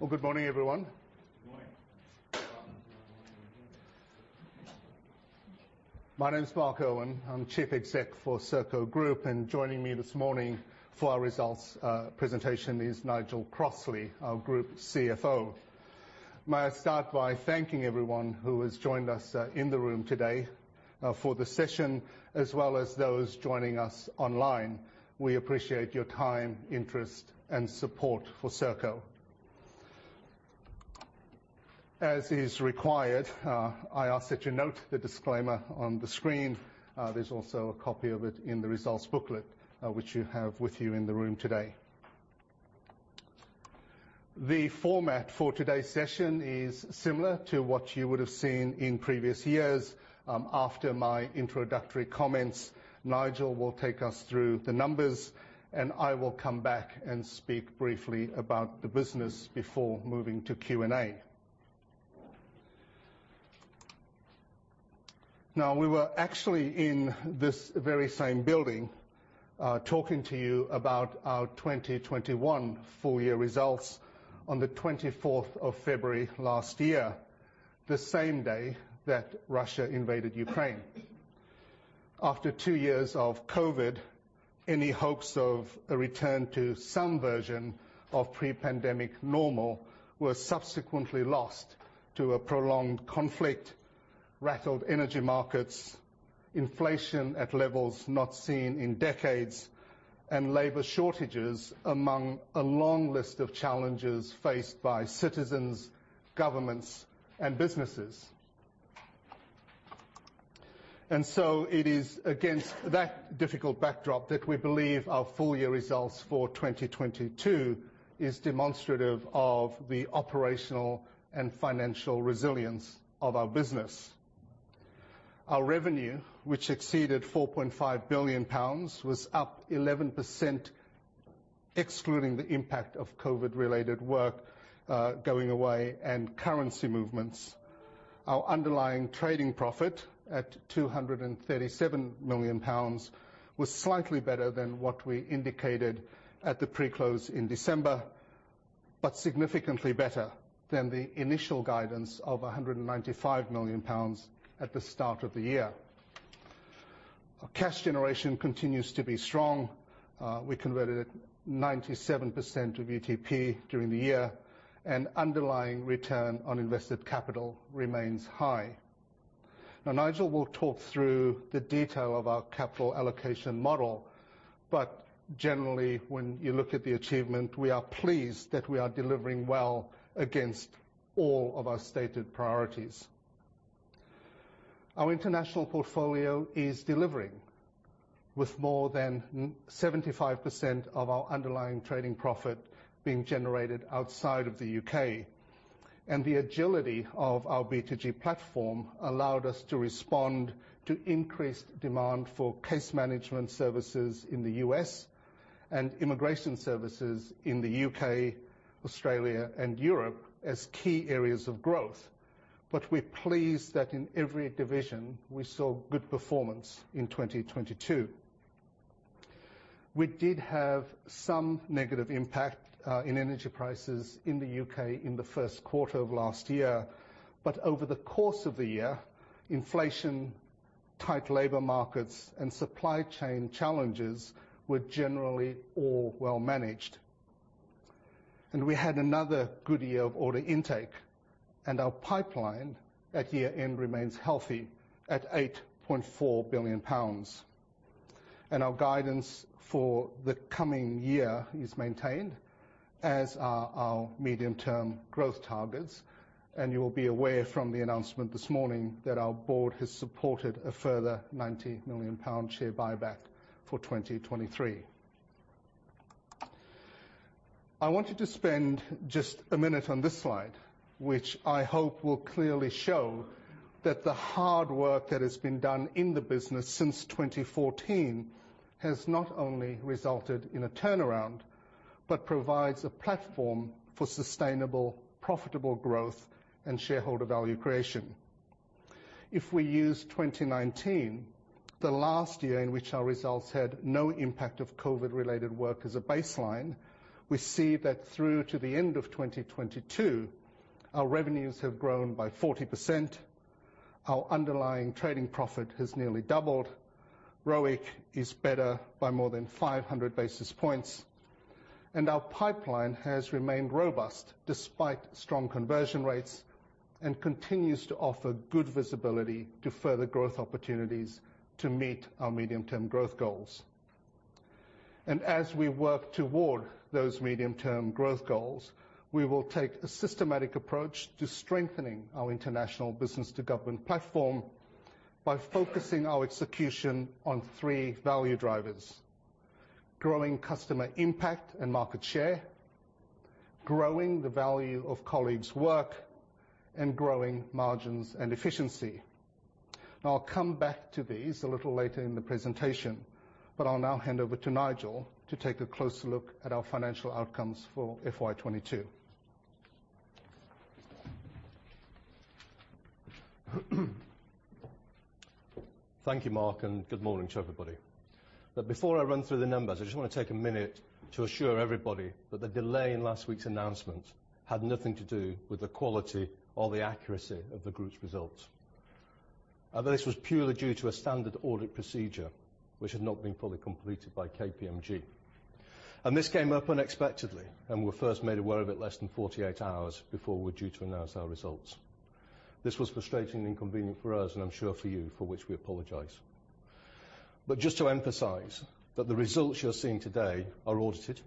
Good morning, everyone. My name is Mark Irwin. I'm Chief Executive for Serco Group. Joining me this morning for our Results Presentation is Nigel Crossley, our Group CFO. May I start by thanking everyone who has joined us in the room today for the session, as well as those joining us online. We appreciate your time, interest and support for Serco. As is required, I ask that you note the disclaimer on the screen. There's also a copy of it in the results booklet, which you have with you in the room today. The format for today's session is similar to what you would have seen in previous years. After my introductory comments, Nigel will take us through the numbers. I will come back and speak briefly about the business before moving to Q&A. We were actually in this very same building, talking to you about our 2021 full year results on the 24th of February last year, the same day that Russia invaded Ukraine. After two years of Covid, any hopes of a return to some version of pre-pandemic normal were subsequently lost to a prolonged conflict, rattled energy markets, inflation at levels not seen in decades, and labor shortages among a long list of challenges faced by citizens, governments and businesses. It is against that difficult backdrop that we believe our full year results for 2022 is demonstrative of the operational and financial resilience of our business. Our revenue, which exceeded 4.5 billion pounds, was up 11% excluding the impact of Covid-related work, going away and currency movements. Our underlying trading profit at 237 million pounds was slightly better than what we indicated at the pre-close in December. Significantly better than the initial guidance of 195 million pounds at the start of the year. Our cash generation continues to be strong. We converted 97% of UTP during the year and underlying return on invested capital remains high. Nigel will talk through the detail of our capital allocation model. Generally, when you look at the achievement, we are pleased that we are delivering well against all of our stated priorities. Our international portfolio is delivering with more than 75% of our underlying trading profit being generated outside of the U.K.. The agility of our B2G platform allowed us to respond to increased demand for case management services in the U.S. and immigration services in the U.K., Australia and Europe as key areas of growth. We're pleased that in every division we saw good performance in 2022. We did have some negative impact in energy prices in the U.K. in the first quarter of last year, but over the course of the year, inflation, tight labor markets and supply chain challenges were generally all well managed. We had another good year of order intake and our pipeline at year-end remains healthy at 8.4 billion pounds. Our guidance for the coming year is maintained as are our medium-term growth targets. You will be aware from the announcement this morning that our board has supported a further 90 million pound share buyback for 2023. I want you to spend just a minute on this slide, which I hope will clearly show that the hard work that has been done in the business since 2014 has not only resulted in a turnaround, but provides a platform for sustainable, profitable growth and shareholder value creation. If we use 2019, the last year in which our results had no impact of COVID-related work as a baseline, we see that through to the end of 2022, our revenues have grown by 40%, our Underlying Trading Profit has nearly doubled. ROIC is better by more than 500 basis points. Our pipeline has remained robust despite strong conversion rates, and continues to offer good visibility to further growth opportunities to meet our medium term growth goals. As we work toward those medium term growth goals, we will take a systematic approach to strengthening our international business to government platform by focusing our execution on 3 value drivers: growing customer impact and market share, growing the value of colleagues' work, and growing margins and efficiency. I'll come back to these a little later in the presentation. I'll now hand over to Nigel to take a closer look at our financial outcomes for FY 2022. Thank you, Mark, and good morning to everybody. Before I run through the numbers, I just want to take a minute to assure everybody that the delay in last week's announcement had nothing to do with the quality or the accuracy of the group's results. This was purely due to a standard audit procedure which had not been fully completed by KPMG. This came up unexpectedly, and we were first made aware of it less than 48 hours before we were due to announce our results. This was frustrating and inconvenient for us, and I'm sure for you, for which we apologize. Just to emphasize that the results you're seeing today are audited,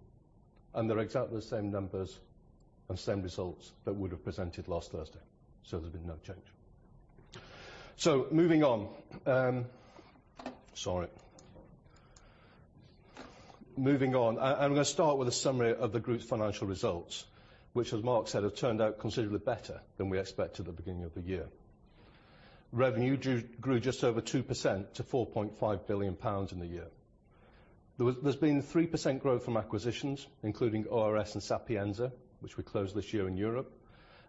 and they're exactly the same numbers and same results that we would have presented last Thursday, there's been no change. Moving on. Sorry. Moving on, I'm going to start with a summary of the group's financial results, which as Mark said, have turned out considerably better than we expected at the beginning of the year. Revenue grew just over 2% to 4.5 billion pounds in the year. There's been 3% growth from acquisitions, including ORS and Sapienza, which we closed this year in Europe,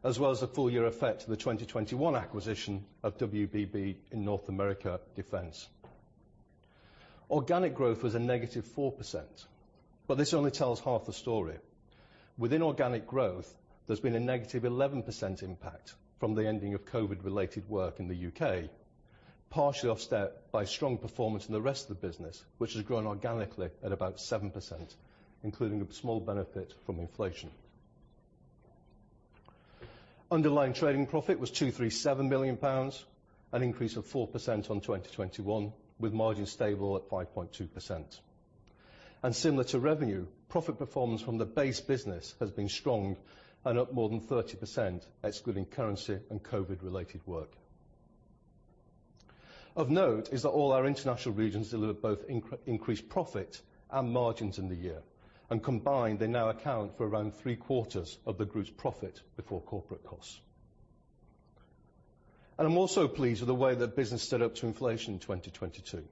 as well as the full year effect of the 2021 acquisition of WBB in North American defense. Organic growth was a -4%. This only tells half the story. Within organic growth, there's been a -11% impact from the ending of COVID-related work in the U.K., partially offset by strong performance in the rest of the business, which has grown organically at about 7%, including a small benefit from inflation. Underlying Trading Profit was 237 million pounds, an increase of 4% on 2021, with margins stable at 5.2%. Similar to revenue, profit performance from the base business has been strong and up more than 30%, excluding currency and COVID-related work. Of note is that all our international regions delivered both increased profit and margins in the year, and combined, they now account for around three-quarters of the Group's profit before corporate costs. I'm also pleased with the way that business stood up to inflation in 2022.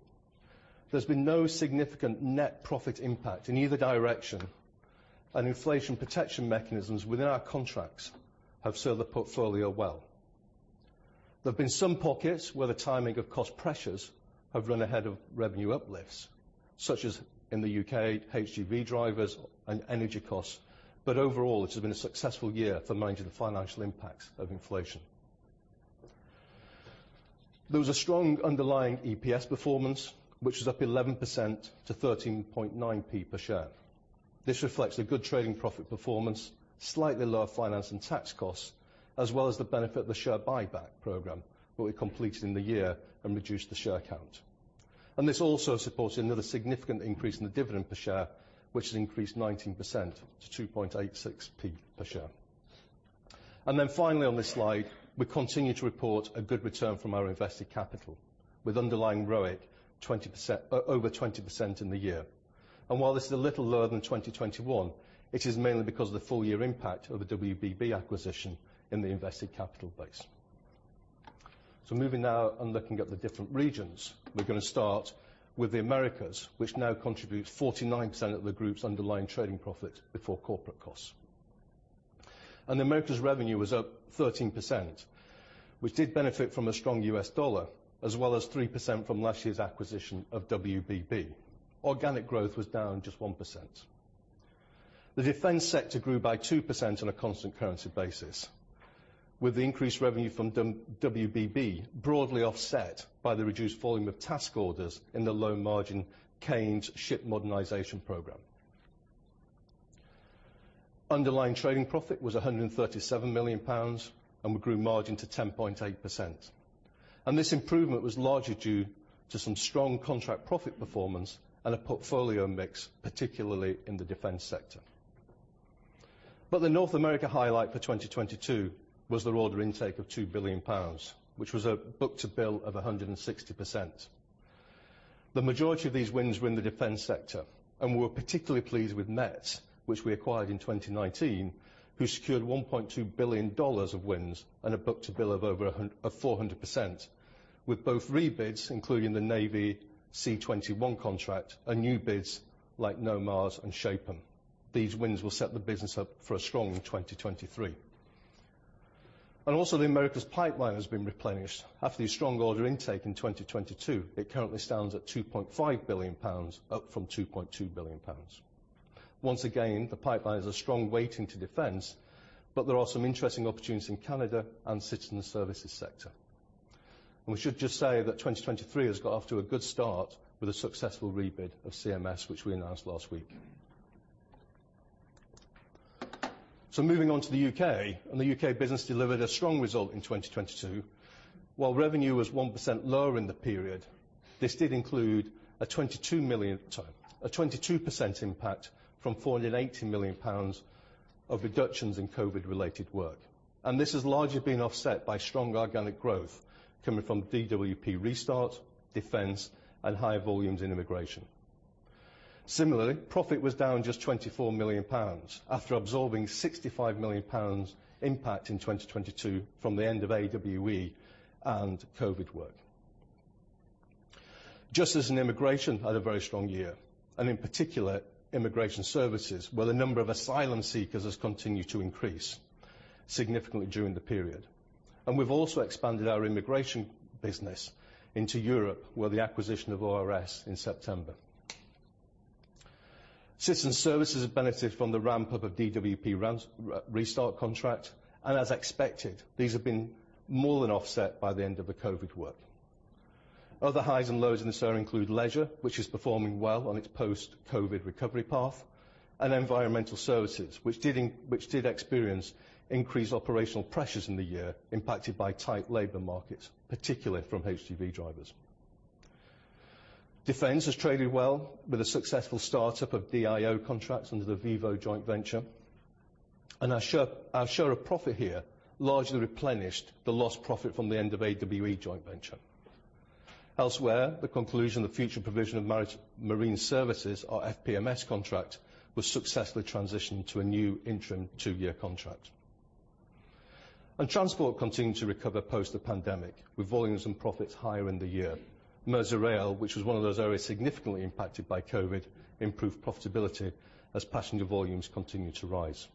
There's been no significant net profit impact in either direction. Inflation protection mechanisms within our contracts have served the portfolio well. There have been some pockets where the timing of cost pressures have run ahead of revenue uplifts, such as in the U.K., HGV drivers and energy costs. Overall, it has been a successful year for managing the financial impacts of inflation. There was a strong underlying EPS performance, which was up 11% to 0.139 per share. This reflects the good trading profit performance, slightly lower finance and tax costs, as well as the benefit of the share buyback program that we completed in the year and reduced the share count. This also supports another significant increase in the dividend per share, which has increased 19% to 0.0286 per share. Finally on this slide, we continue to report a good return from our invested capital with underlying ROIC 20%, over 20% in the year. While this is a little lower than 2021, it is mainly because of the full year impact of the WBB acquisition in the invested capital base. Moving now and looking at the different regions, we're going to start with the Americas, which now contributes 49% of the group's Underlying Trading Profit before corporate costs. Americas revenue was up 13%, which did benefit from a strong U.S. dollar, as well as 3% from last year's acquisition of WBB. Organic growth was down just 1%. The defense sector grew by 2% on a constant currency basis, with the increased revenue from WBB broadly offset by the reduced volume of task orders in the low-margin CANES ship modernization program. Underlying Trading Profit was 137 million pounds, and we grew margin to 10.8%. This improvement was largely due to some strong contract profit performance and a portfolio mix, particularly in the defense sector. The North America highlight for 2022 was their order intake of 2 billion pounds, which was a book-to-bill of 160%. The majority of these wins were in the defense sector, and we were particularly pleased with MET, which we acquired in 2019, who secured $1.2 billion of wins and a book-to-bill of over 400%, with both rebids, including the U.S. Navy C-21 contract and new bids like NOMARS and Ship-M. These wins will set the business up for a strong 2023. Also the Americas pipeline has been replenished. After the strong order intake in 2022, it currently stands at 2.5 billion pounds, up from 2.2 billion pounds. Once again, the pipeline is a strong weighting to defense, but there are some interesting opportunities in Canada and citizen services sector. We should just say that 2023 has got off to a good start with a successful rebid of CMS, which we announced last week. Moving on to the U.K., the U.K. business delivered a strong result in 2022. While revenue was 1% lower in the period, this did include a 22% impact from 480 million pounds of reductions in COVID-related work. This has largely been offset by strong organic growth coming from DWP Restart, defense, and higher volumes in immigration. Similarly, profit was down just 24 million pounds after absorbing 65 million pounds impact in 2022 from the end of AWE and COVID work. Justice and Immigration had a very strong year, in particular, immigration services, where the number of asylum seekers has continued to increase significantly during the period. We've also expanded our immigration business into Europe with the acquisition of ORS in September. Citizen Services benefited from the ramp-up of DWP restart contract. As expected, these have been more than offset by the end of the COVID work. Other highs and lows in this area include leisure, which is performing well on its post-COVID recovery path, and environmental services, which did experience increased operational pressures in the year, impacted by tight labor markets, particularly from HGV drivers. Defense has traded well with the successful start-up of DIO contracts under the VIVO joint venture. Our share of profit here largely replenished the lost profit from the end of AWE joint venture. Elsewhere, the conclusion of the future provision of marine services, or FPMS contract, was successfully transitioned to a new interim two-year contract. Transport continued to recover post the pandemic, with volumes and profits higher in the year. Merseyrail, which was one of those areas significantly impacted by COVID, improved profitability as passenger volumes continued to rise.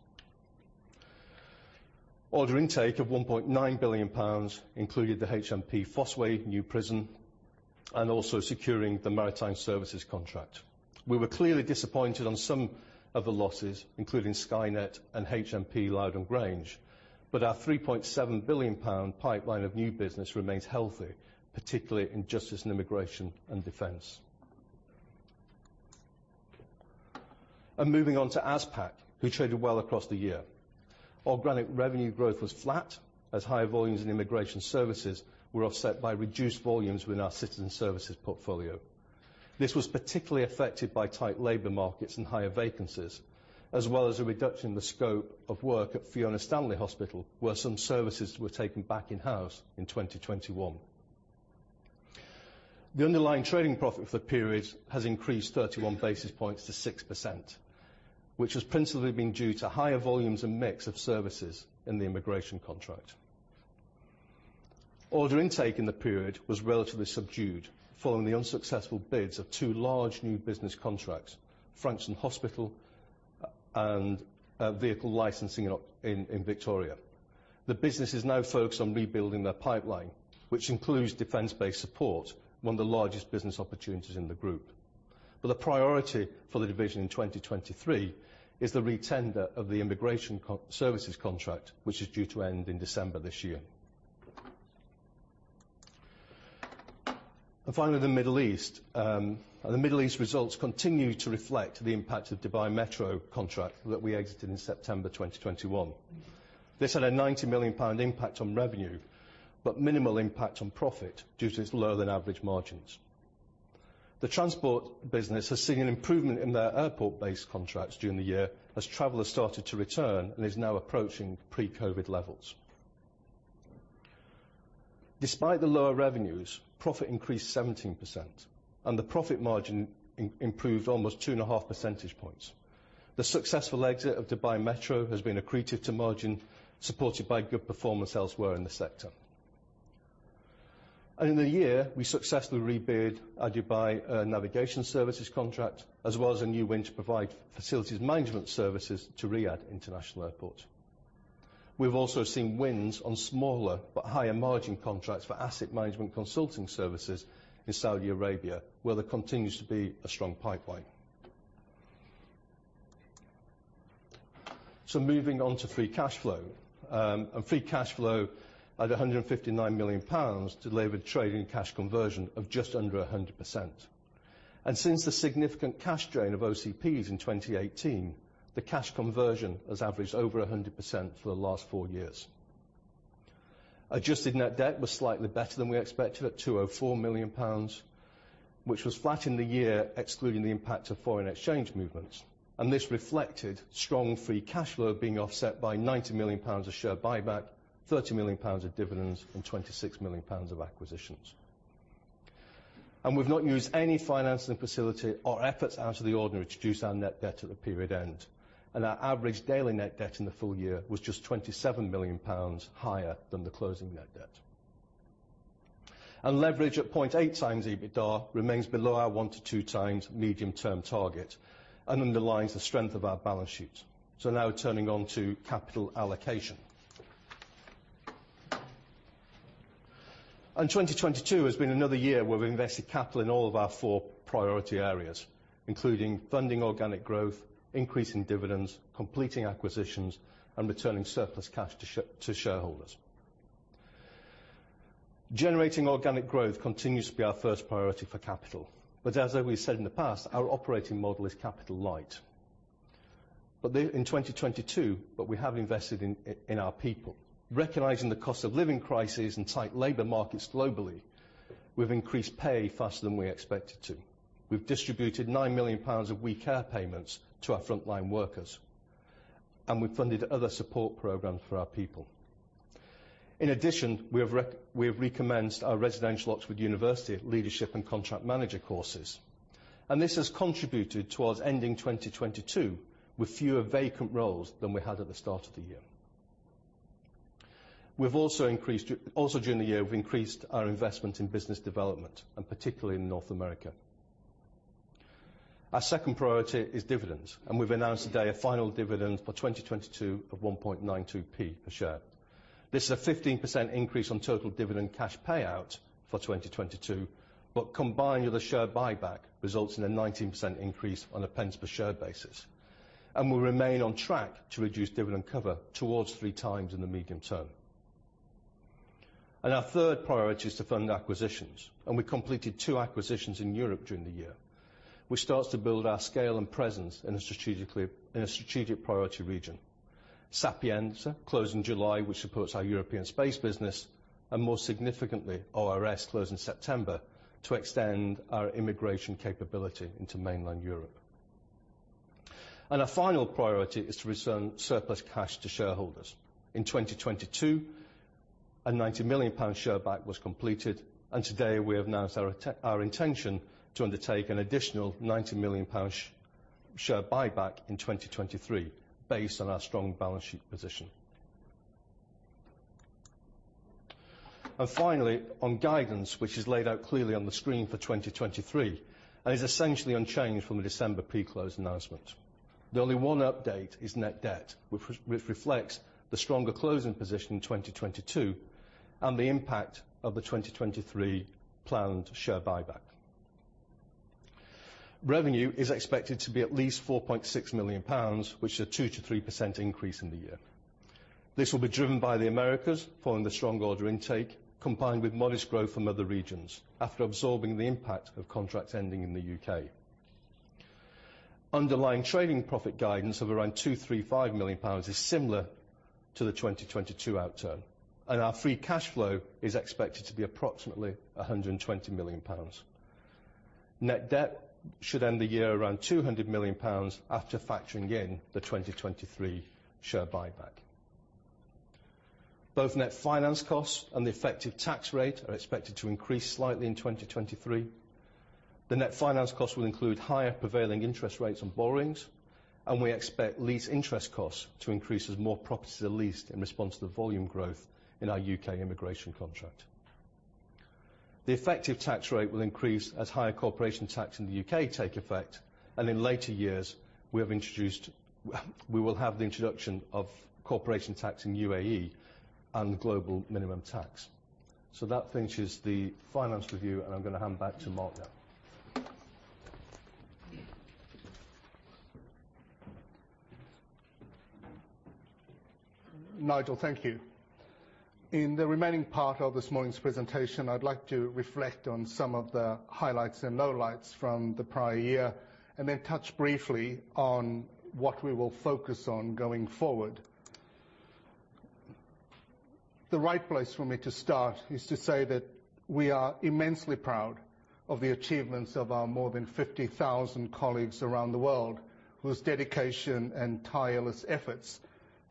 Order intake of 1.9 billion pounds included the HMP Fosse Way new prison and also securing the maritime services contract. We were clearly disappointed on some of the losses, including Skynet and HMP Lowdham Grange, our 3.7 billion pound pipeline of new business remains healthy, particularly in justice and immigration and defense. Moving on to ASPAC, who traded well across the year. Organic revenue growth was flat as higher volumes in immigration services were offset by reduced volumes within our citizen services portfolio. This was particularly affected by tight labor markets and higher vacancies, as well as a reduction in the scope of work at Fiona Stanley Hospital, where some services were taken back in-house in 2021. The Underlying Trading Profit for the period has increased 31 basis points to 6%, which has principally been due to higher volumes and mix of services in the immigration contract. Order intake in the period was relatively subdued following the unsuccessful bids of two large new business contracts, Frankston Hospital and vehicle licensing in Victoria. The business is now focused on rebuilding their pipeline, which includes defense-based support, one of the largest business opportunities in the group. The priority for the division in 2023 is the retender of the immigration services contract, which is due to end in December this year. Finally, the Middle East. The Middle East results continue to reflect the impact of Dubai Metro contract that we exited in September 2021. This had a GBP 90 million impact on revenue, but minimal impact on profit due to its lower-than-average margins. The transport business has seen an improvement in their airport-based contracts during the year as travelers started to return and is now approaching pre-COVID levels. Despite the lower revenues, profit increased 17% and the profit margin improved almost 2.5 percentage points. The successful exit of Dubai Metro has been accretive to margin, supported by good performance elsewhere in the sector. In the year, we successfully rebid our Dubai navigation services contract as well as a new win to provide facilities management services to Riyadh International Airport. We've also seen wins on smaller but higher margin contracts for asset management consulting services in Saudi Arabia, where there continues to be a strong pipeline. Moving on to free cash flow. Free cash flow at 159 million pounds delivered trading cash conversion of just under 100%. Since the significant cash drain of OCPs in 2018, the cash conversion has averaged over 100% for the last four years. Adjusted net debt was slightly better than we expected at 204 million pounds, which was flat in the year, excluding the impact of foreign exchange movements. This reflected strong free cash flow being offset by 90 million pounds of share buyback, 30 million pounds of dividends, and 26 million pounds of acquisitions. We've not used any financing facility or efforts out of the ordinary to reduce our net debt at the period end. Our average daily net debt in the full year was just 27 million pounds higher than the closing net debt. Leverage at 0.8x EBITDA remains below our 1x-2x medium-term target and underlines the strength of our balance sheet. Now turning on to capital allocation. 2022 has been another year where we've invested capital in all of our four priority areas, including funding organic growth, increasing dividends, completing acquisitions, and returning surplus cash to shareholders. Generating organic growth continues to be our first priority for capital. As we've said in the past, our operating model is capital light. In 2022, we have invested in our people. Recognizing the cost-of-living crisis and tight labor markets globally, we've increased pay faster than we expected to. We've distributed 9 million pounds of WeCare payments to our frontline workers, and we've funded other support programs for our people. In addition, we have recommenced our residential Oxford University leadership and contract management courses. This has contributed towards ending 2022 with fewer vacant roles than we had at the start of the year. Also during the year, we've increased our investment in business development, and particularly in North America. Our second priority is dividends. We've announced today a final dividend for 2022 of 0.0192 per share. This is a 15% increase on total dividend cash payout for 2022, Combined with a share buyback results in a 19% increase on a pence per share basis. We remain on track to reduce dividend cover towards 3x in the medium term. Our third priority is to fund acquisitions, and we completed two acquisitions in Europe during the year, which starts to build our scale and presence in a strategically, in a strategic priority region. Sapienza closed in July, which supports our European space business, and more significantly, ORS closed in September to extend our immigration capability into mainland Europe. Our final priority is to return surplus cash to shareholders. In 2022, a 90 million pound share buyback was completed. Today we have announced our intention to undertake an additional 90 million pound share buyback in 2023 based on our strong balance sheet position. Finally, on guidance, which is laid out clearly on the screen for 2023, is essentially unchanged from the December pre-close announcement. The only one update is net debt, which reflects the stronger closing position in 2022 and the impact of the 2023 planned share buyback. Revenue is expected to be at least 4.6 million pounds, which is a 2%-3% increase in the year. This will be driven by the Americas following the strong order intake, combined with modest growth from other regions after absorbing the impact of contracts ending in the U.K. Underlying Trading Profit guidance of around 235 million pounds is similar to the 2022 outturn. Our free cash flow is expected to be approximately 120 million pounds. Net debt should end the year around 200 million pounds after factoring in the 2023 share buyback. Both net finance costs and the effective tax rate are expected to increase slightly in 2023. The net finance cost will include higher prevailing interest rates on borrowings, and we expect lease interest costs to increase as more properties are leased in response to the volume growth in our U.K. immigration contract. The effective tax rate will increase as higher corporation tax in the U.K. take effect. In later years, We will have the introduction of corporation tax in UAE and global minimum tax. That finishes the finance review, and I'm going to hand back to Mark now. Nigel, thank you. In the remaining part of this morning's presentation, I'd like to reflect on some of the highlights and lowlights from the prior year, and then touch briefly on what we will focus on going forward. The right place for me to start is to say that we are immensely proud of the achievements of our more than 50,000 colleagues around the world, whose dedication and tireless efforts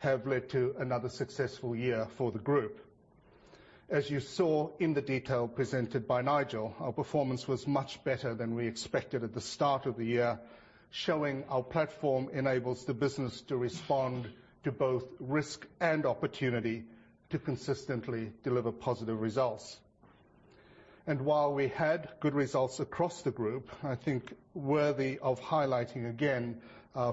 have led to another successful year for the group. As you saw in the detail presented by Nigel, our performance was much better than we expected at the start of the year, showing our platform enables the business to respond to both risk and opportunity to consistently deliver positive results. While we had good results across the group, I think worthy of highlighting again,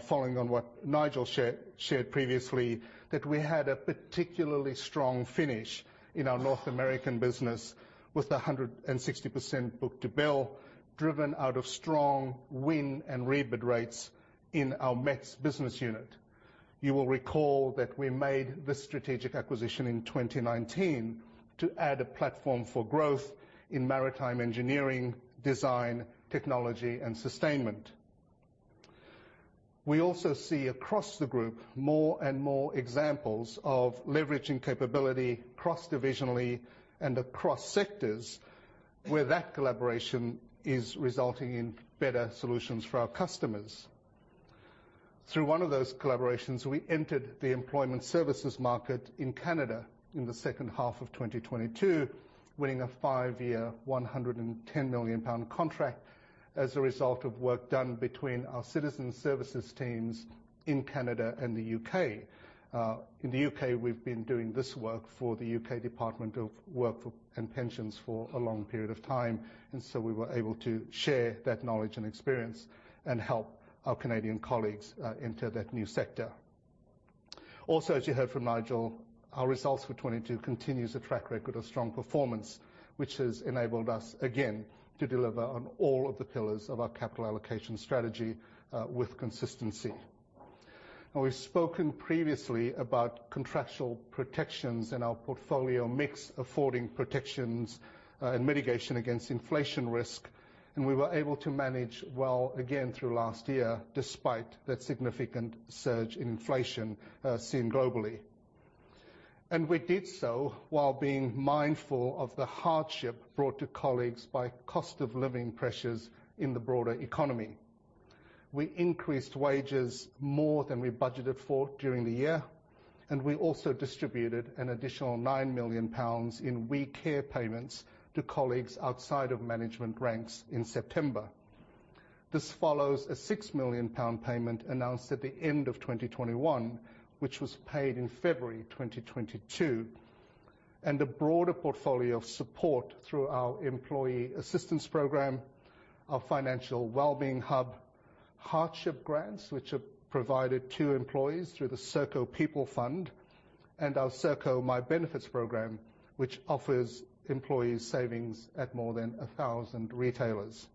following on what Nigel shared previously, that we had a particularly strong finish in our North American business with a 160% book-to-bill driven out of strong win and rebid rates in our METS business unit. You will recall that we made this strategic acquisition in 2019 to add a platform for growth in maritime engineering, design, technology, and sustainment. We also see across the group more and more examples of leveraging capability cross-divisionally and across sectors where that collaboration is resulting in better solutions for our customers. Through one of those collaborations, we entered the employment services market in Canada in the second half of 2022, winning a 5-year, 110 million pound contract as a result of work done between our citizen services teams in Canada and the U.K. In the U.K., we've been doing this work for the U.K. Department for Work and Pensions for a long period of time. We were able to share that knowledge and experience and help our Canadian colleagues enter that new sector. As you heard from Nigel, our results for 2022 continues a track record of strong performance, which has enabled us, again, to deliver on all of the pillars of our capital allocation strategy with consistency. We've spoken previously about contractual protections in our portfolio mix affording protections and mitigation against inflation risk, and we were able to manage well again through last year, despite that significant surge in inflation seen globally. We did so while being mindful of the hardship brought to colleagues by cost of living pressures in the broader economy. We increased wages more than we budgeted for during the year, we also distributed an additional 9 million pounds in WeCare payments to colleagues outside of management ranks in September. This follows a 6 million pound payment announced at the end of 2021, which was paid in February 2022, and a broader portfolio of support through our employee assistance program, our financial well-being hub, hardship grants, which are provided to employees through the Serco People Fund, and our Serco My Benefits program, which offers employees savings at more than 1,000 retailers.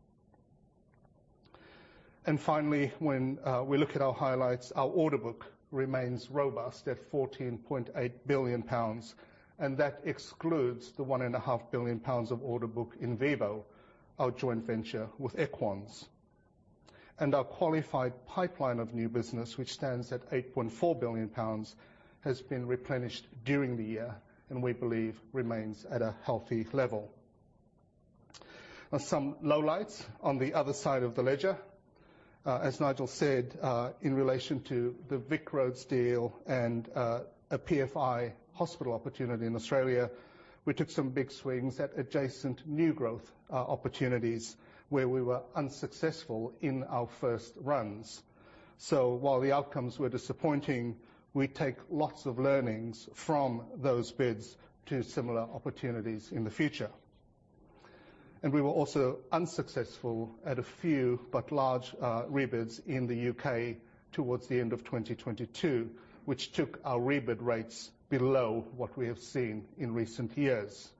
Finally, when we look at our highlights, our order book remains robust at 14.8 billion pounds, and that excludes the one and a half billion pounds of order book in VIVO, our joint venture with Equans. Our qualified pipeline of new business, which stands at 8.4 billion pounds, has been replenished during the year, and we believe remains at a healthy level. Some lowlights on the other side of the ledger. As Nigel said, in relation to the VicRoads deal and a PFI hospital opportunity in Australia, we took some big swings at adjacent new growth opportunities where we were unsuccessful in our first runs. While the outcomes were disappointing, we take lots of learnings from those bids to similar opportunities in the future. We were also unsuccessful at a few but large rebids in the U.K. towards the end of 2022, which took our rebid rates below what we have seen in recent years.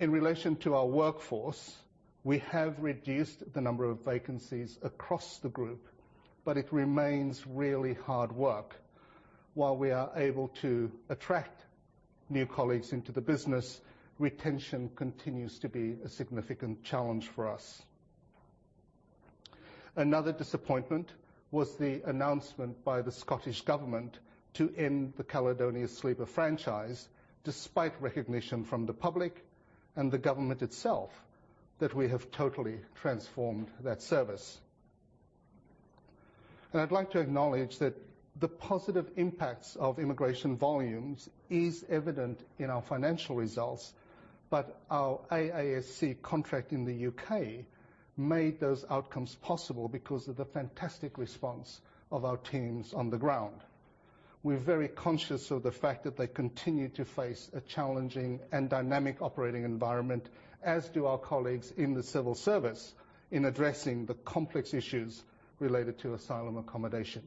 In relation to our workforce, we have reduced the number of vacancies across the group, but it remains really hard work. While we are able to attract new colleagues into the business, retention continues to be a significant challenge for us. Another disappointment was the announcement by the Scottish Government to end the Caledonian Sleeper franchise, despite recognition from the public and the government itself that we have totally transformed that service. I'd like to acknowledge that the positive impacts of immigration volumes is evident in our financial results, but our AASC contract in the U.K. made those outcomes possible because of the fantastic response of our teams on the ground. We're very conscious of the fact that they continue to face a challenging and dynamic operating environment, as do our colleagues in the civil service, in addressing the complex issues related to asylum accommodation.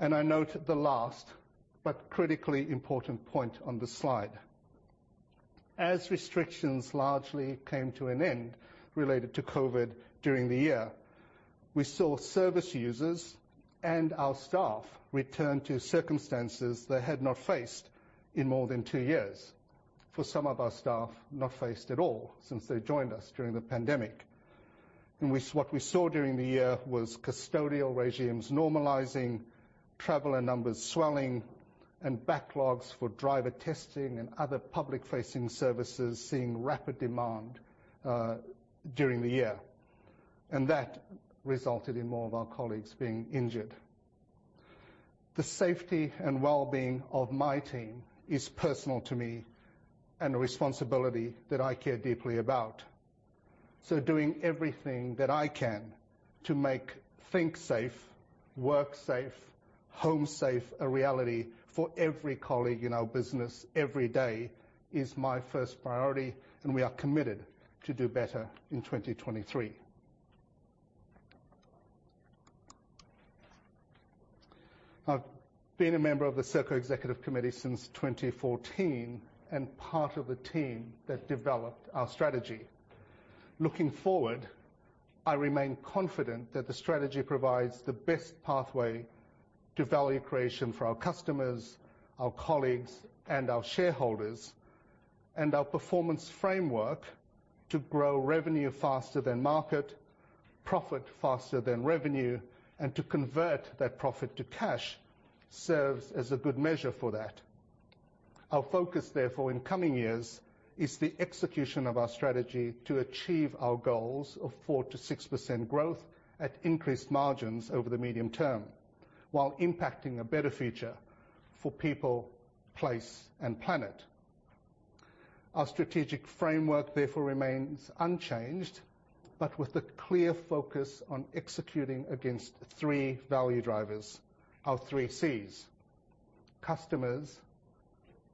I note the last but critically important point on the slide. As restrictions largely came to an end related to COVID during the year, we saw service users and our staff return to circumstances they had not faced in more than two years. For some of our staff, not faced at all since they joined us during the pandemic. What we saw during the year was custodial regimes normalizing, traveler numbers swelling, and backlogs for driver testing and other public-facing services seeing rapid demand during the year. That resulted in more of our colleagues being injured. The safety and well-being of my team is personal to me and a responsibility that I care deeply about. Doing everything that I can to make Think safe, work safe, home safe a reality for every colleague in our business every day is my first priority, and we are committed to do better in 2023. I've been a member of the Serco Executive Committee since 2014 and part of the team that developed our strategy. Looking forward, I remain confident that the strategy provides the best pathway to value creation for our customers, our colleagues, and our shareholders. Our performance framework to grow revenue faster than market, profit faster than revenue, and to convert that profit to cash serves as a good measure for that. Our focus, therefore, in coming years is the execution of our strategy to achieve our goals of 4%-6% growth at increased margins over the medium term, while impacting a better future for people, place, and planet. Our strategic framework therefore remains unchanged, but with the clear focus on executing against three value drivers, our three Cs: customers,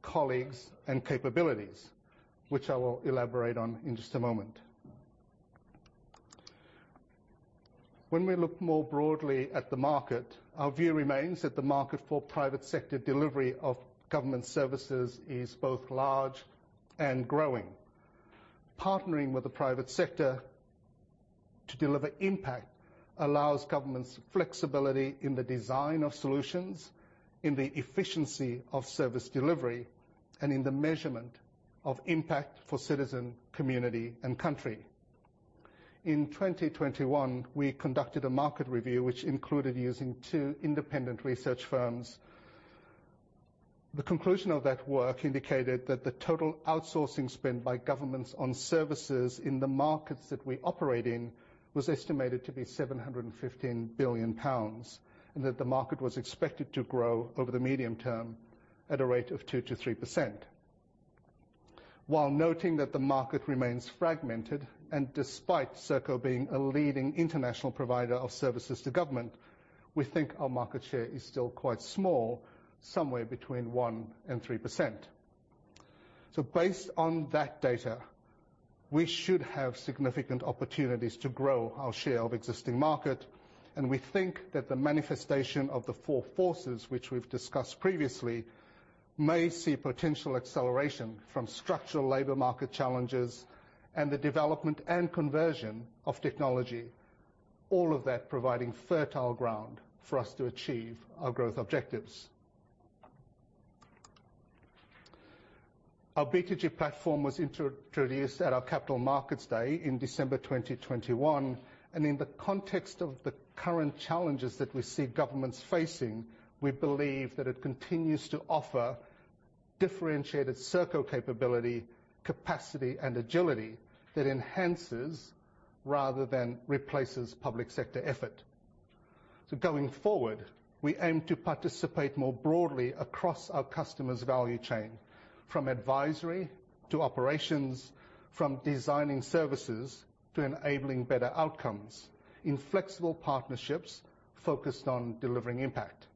colleagues, and capabilities, which I will elaborate on in just a moment. When we look more broadly at the market, our view remains that the market for private sector delivery of government services is both large and growing. Partnering with the private sector to deliver impact allows governments flexibility in the design of solutions, in the efficiency of service delivery, and in the measurement of impact for citizen, community, and country. In 2021, we conducted a market review which included using two independent research firms. The conclusion of that work indicated that the total outsourcing spend by governments on services in the markets that we operate in was estimated to be 715 billion pounds, and that the market was expected to grow over the medium term at a rate of 2%-3%. While noting that the market remains fragmented and despite Serco being a leading international provider of services to government, we think our market share is still quite small, somewhere between 1%-3%. Based on that data, we should have significant opportunities to grow our share of existing market, and we think that the manifestation of the four forces which we've discussed previously may see potential acceleration from structural labor market challenges and the development and conversion of technology, all of that providing fertile ground for us to achieve our growth objectives. Our B2G platform was introduced at our Capital Markets Day in December 2021. In the context of the current challenges that we see governments facing, we believe that it continues to offer differentiated Serco capability, capacity, and agility that enhances rather than replaces public sector effort. Going forward, we aim to participate more broadly across our customers' value chain, from advisory to operations, from designing services to enabling better outcomes in flexible partnerships focused on delivering impact.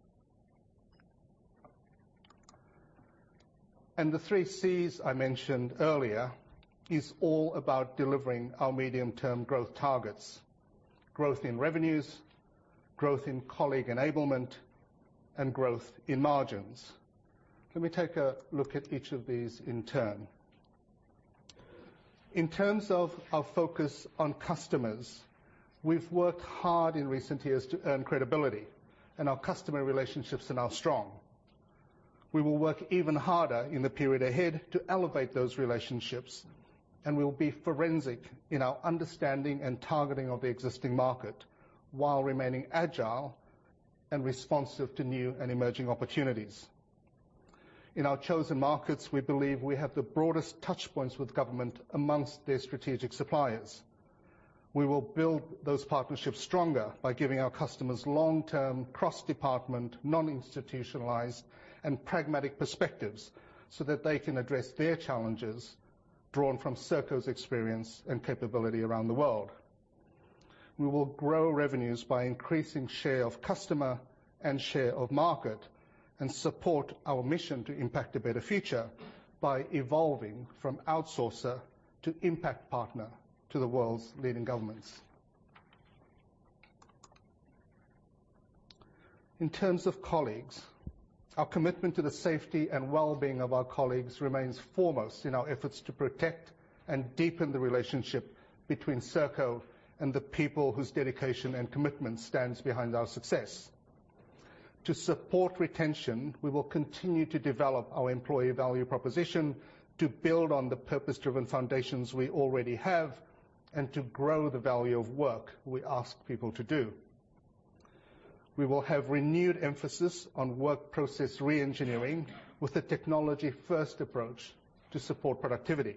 The three Cs I mentioned earlier is all about delivering our medium-term growth targets, growth in revenues, growth in colleague enablement, and growth in margins. Let me take a look at each of these in turn. In terms of our focus on customers, we've worked hard in recent years to earn credibility. Our customer relationships are now strong. We will work even harder in the period ahead to elevate those relationships. We will be forensic in our understanding and targeting of the existing market while remaining agile and responsive to new and emerging opportunities. In our chosen markets, we believe we have the broadest touch points with government amongst their strategic suppliers. We will build those partnerships stronger by giving our customers long-term, cross-department, non-institutionalized, and pragmatic perspectives so that they can address their challenges drawn from Serco's experience and capability around the world. We will grow revenues by increasing share of customer and share of market and support our mission to impact a better future by evolving from outsourcer to impact partner to the world's leading governments. In terms of colleagues, our commitment to the safety and well-being of our colleagues remains foremost in our efforts to protect and deepen the relationship between Serco and the people whose dedication and commitment stands behind our success. To support retention, we will continue to develop our employee value proposition to build on the purpose-driven foundations we already have and to grow the value of work we ask people to do. We will have renewed emphasis on work process reengineering with a technology-first approach to support productivity.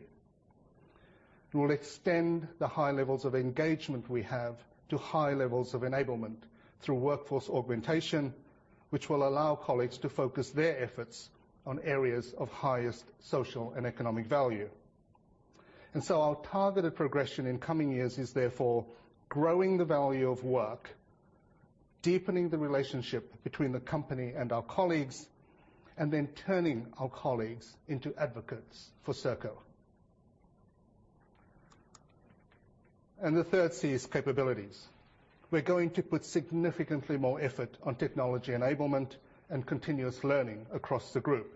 We will extend the high levels of engagement we have to high levels of enablement through workforce augmentation, which will allow colleagues to focus their efforts on areas of highest social and economic value. Our targeted progression in coming years is therefore growing the value of work, deepening the relationship between the company and our colleagues, and then turning our colleagues into advocates for Serco. The third C is capabilities. We're going to put significantly more effort on technology enablement and continuous learning across the group.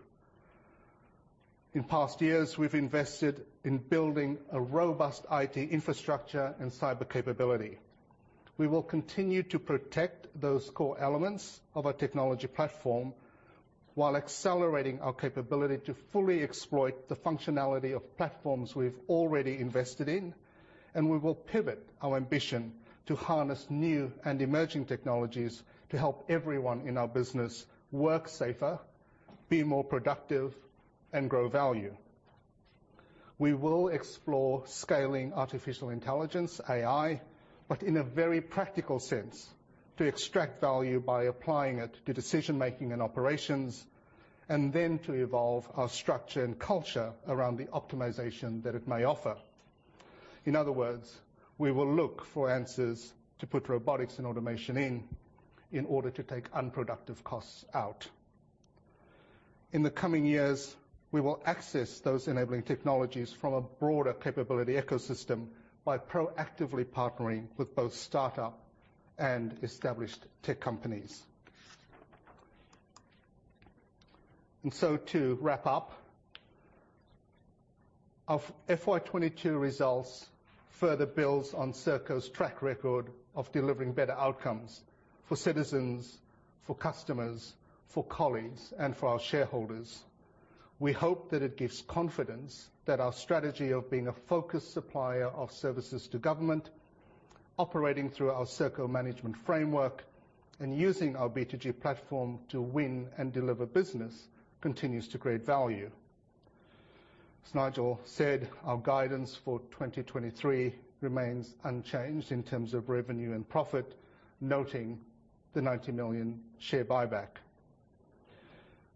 In past years, we've invested in building a robust IT infrastructure and cyber capability. We will continue to protect those core elements of our technology platform while accelerating our capability to fully exploit the functionality of platforms we've already invested in. We will pivot our ambition to harness new and emerging technologies to help everyone in our business work safer, be more productive, and grow value. We will explore scaling artificial intelligence, AI, but in a very practical sense to extract value by applying it to decision-making and operations, and then to evolve our structure and culture around the optimization that it may offer. In other words, we will look for answers to put robotics and automation in order to take unproductive costs out. In the coming years, we will access those enabling technologies from a broader capability ecosystem by proactively partnering with both startup and established tech companies. To wrap up, our FY 2022 results further builds on Serco's track record of delivering better outcomes for citizens, for customers, for colleagues, and for our shareholders. We hope that it gives confidence that our strategy of being a focused supplier of services to government, operating through our Serco Management Framework, and using our B2G platform to win and deliver business continues to create value. As Nigel said, our guidance for 2023 remains unchanged in terms of revenue and profit, noting. The 90 million share buyback.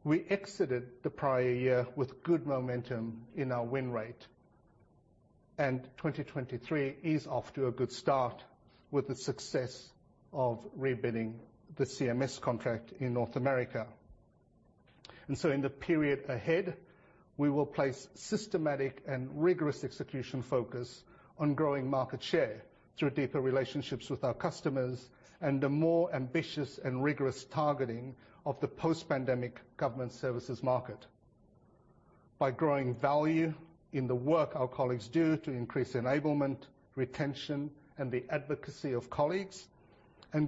We exited the prior year with good momentum in our win rate. 2023 is off to a good start with the success of rebidding the CMS contract in North America. In the period ahead, we will place systematic and rigorous execution focus on growing market share through deeper relationships with our customers, and a more ambitious and rigorous targeting of the post-pandemic government services market. By growing value in the work our colleagues do to increase enablement, retention, and the advocacy of colleagues,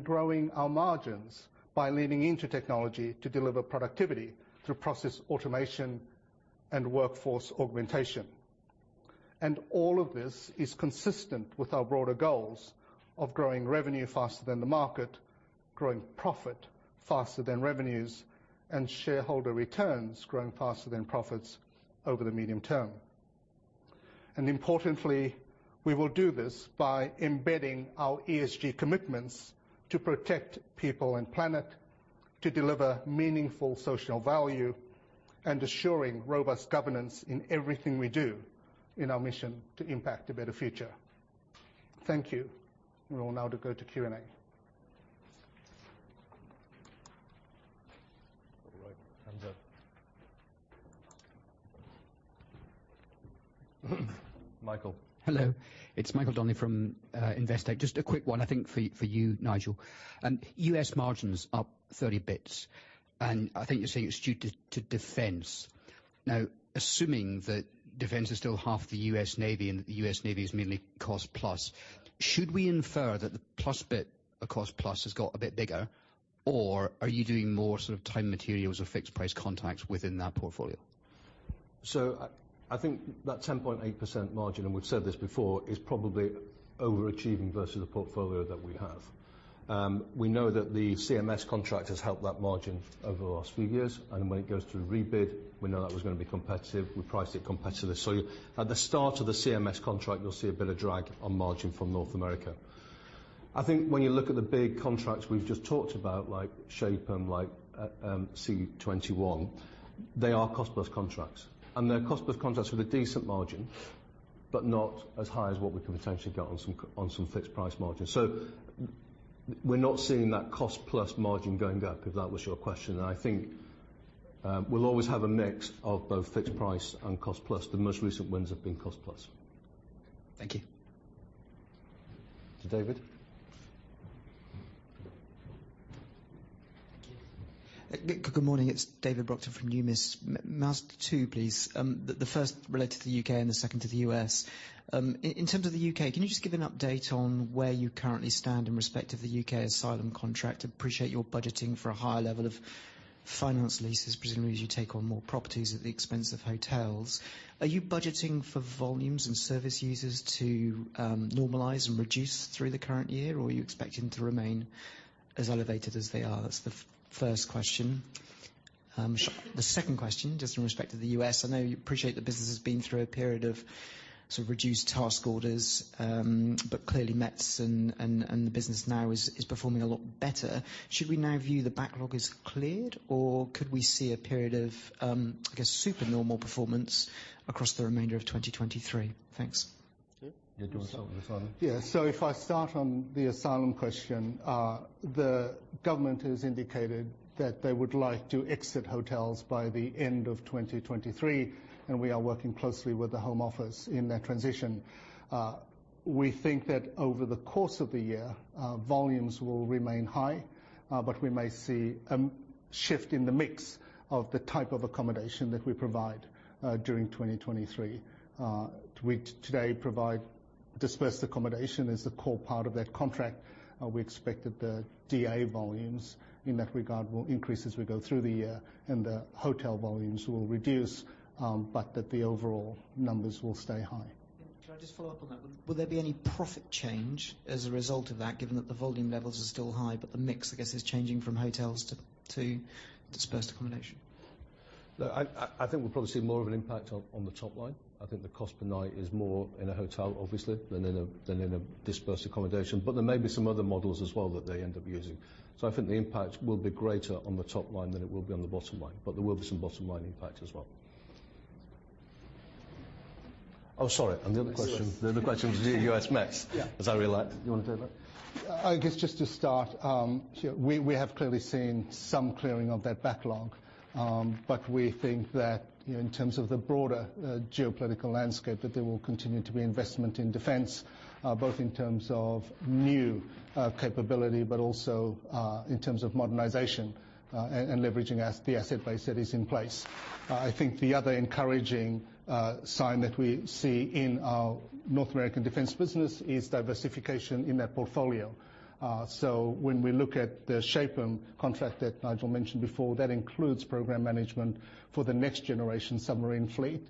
growing our margins by leaning into technology to deliver productivity through process automation and workforce augmentation. All of this is consistent with our broader goals of growing revenue faster than the market, growing profit faster than revenues, and shareholder returns growing faster than profits over the medium term. Importantly, we will do this by embedding our ESG commitments to protect people and planet, to deliver meaningful social value, and assuring robust governance in everything we do in our mission to impact a better future. Thank you. We will now to go to Q&A. Hello. It's Michael Donnelly from Investec. Just a quick one I think for you, Nigel. US margins up 30 bits, I think you're saying it's due to Defense. Assuming that Defense is still half the US Navy, and the US Navy is mainly cost-plus, should we infer that the plus bit of cost-plus has got a bit bigger, or are you doing more sort of time-and-materials or fixed-price contracts within that portfolio? I think that 10.8% margin, and we've said this before, is probably overachieving versus the portfolio that we have. We know that the CMS contract has helped that margin over the last few years, and when it goes to rebid, we know that was gonna be competitive. We priced it competitively. At the start of the CMS contract, you'll see a bit of drag on margin from North America. I think when you look at the big contracts we've just talked about, like SHAPE and like C-21, they are cost-plus contracts. They're cost-plus contracts with a decent margin, but not as high as what we can potentially get on some fixed price margins. We're not seeing that cost-plus margin going down, if that was your question. I think we'll always have a mix of both fixed-price and cost-plus. The most recent wins have been cost-plus. Thank you. Thank you. Good morning, it's David Brockton from Numis. Asking two, please. The first related to the U.K. and the second to the U.S.. In terms of the U.K., can you just give an update on where you currently stand in respect of the U.K. asylum contract? Appreciate your budgeting for a higher level of finance leases, presumably as you take on more properties at the expense of hotels. Are you budgeting for volumes and service users to normalize and reduce through the current year, or are you expecting to remain as elevated as they are? That's the first question. The second question, just in respect to the U.S., I know you appreciate the business has been through a period of sort of reduced task orders, but clearly METS and the business now is performing a lot better. Should we now view the backlog as cleared, or could we see a period of super normal performance across the remainder of 2023? Thanks. You're doing start with asylum? If I start on the asylum question, the government has indicated that they would like to exit hotels by the end of 2023. We are working closely with the Home Office in that transition. We think that over the course of the year, volumes will remain high. We may see a shift in the mix of the type of accommodation that we provide during 2023. We today provide dispersed accommodation as a core part of that contract. We expect that the DA volumes in that regard will increase as we go through the year. The hotel volumes will reduce, but that the overall numbers will stay high. Can I just follow up on that one? Will there be any profit change as a result of that, given that the volume levels are still high, but the mix is changing from hotels to dispersed accommodation? Look, I think we'll probably see more of an impact on the top line. I think the cost per night is more in a hotel, obviously, than in a dispersed accommodation. There may be some other models as well that they end up using. I think the impact will be greater on the top line than it will be on the bottom line, but there will be some bottom-line impact as well. Oh, sorry. The other question was the U.S. METS.As I realized. You wanna do that? I guess just to start, we have clearly seen some clearing of that backlog. But we think that in terms of the broader geopolitical landscape, that there will continue to be investment in defense, both in terms of new capability, but also in terms of modernization, and leveraging the asset base that is in place. I think the other encouraging sign that we see in our North American defense business is diversification in their portfolio. So when we look at the Shapem contract that Nigel mentioned before, that includes program management for the next generation submarine fleet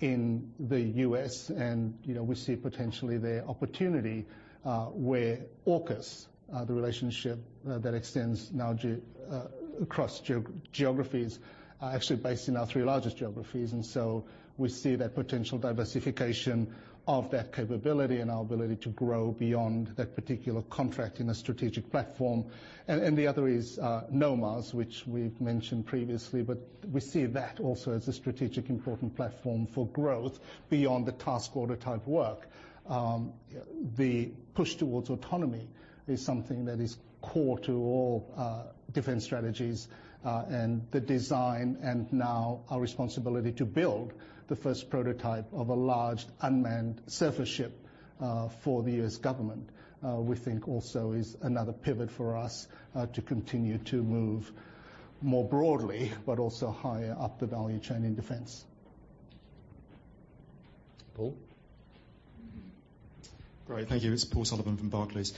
in the U.S. You know, we see potentially their opportunity where AUKUS, the relationship that extends now across geographies, actually based in our three largest geographies. We see that potential diversification of that capability and our ability to grow beyond that particular contract in a strategic platform. The other is NOMARS, which we've mentioned previously, but we see that also as a strategic important platform for growth beyond the task order type work. The push towards autonomy is something that is core to all defense strategies, and the design, and now our responsibility to build the first prototype of a large unmanned surface ship, for the U.S. government, we think also is another pivot for us, to continue to move more broadly, but also higher up the value chain in defense. Paul? Great. Thank you. It's Paul Sullivan from Barclays.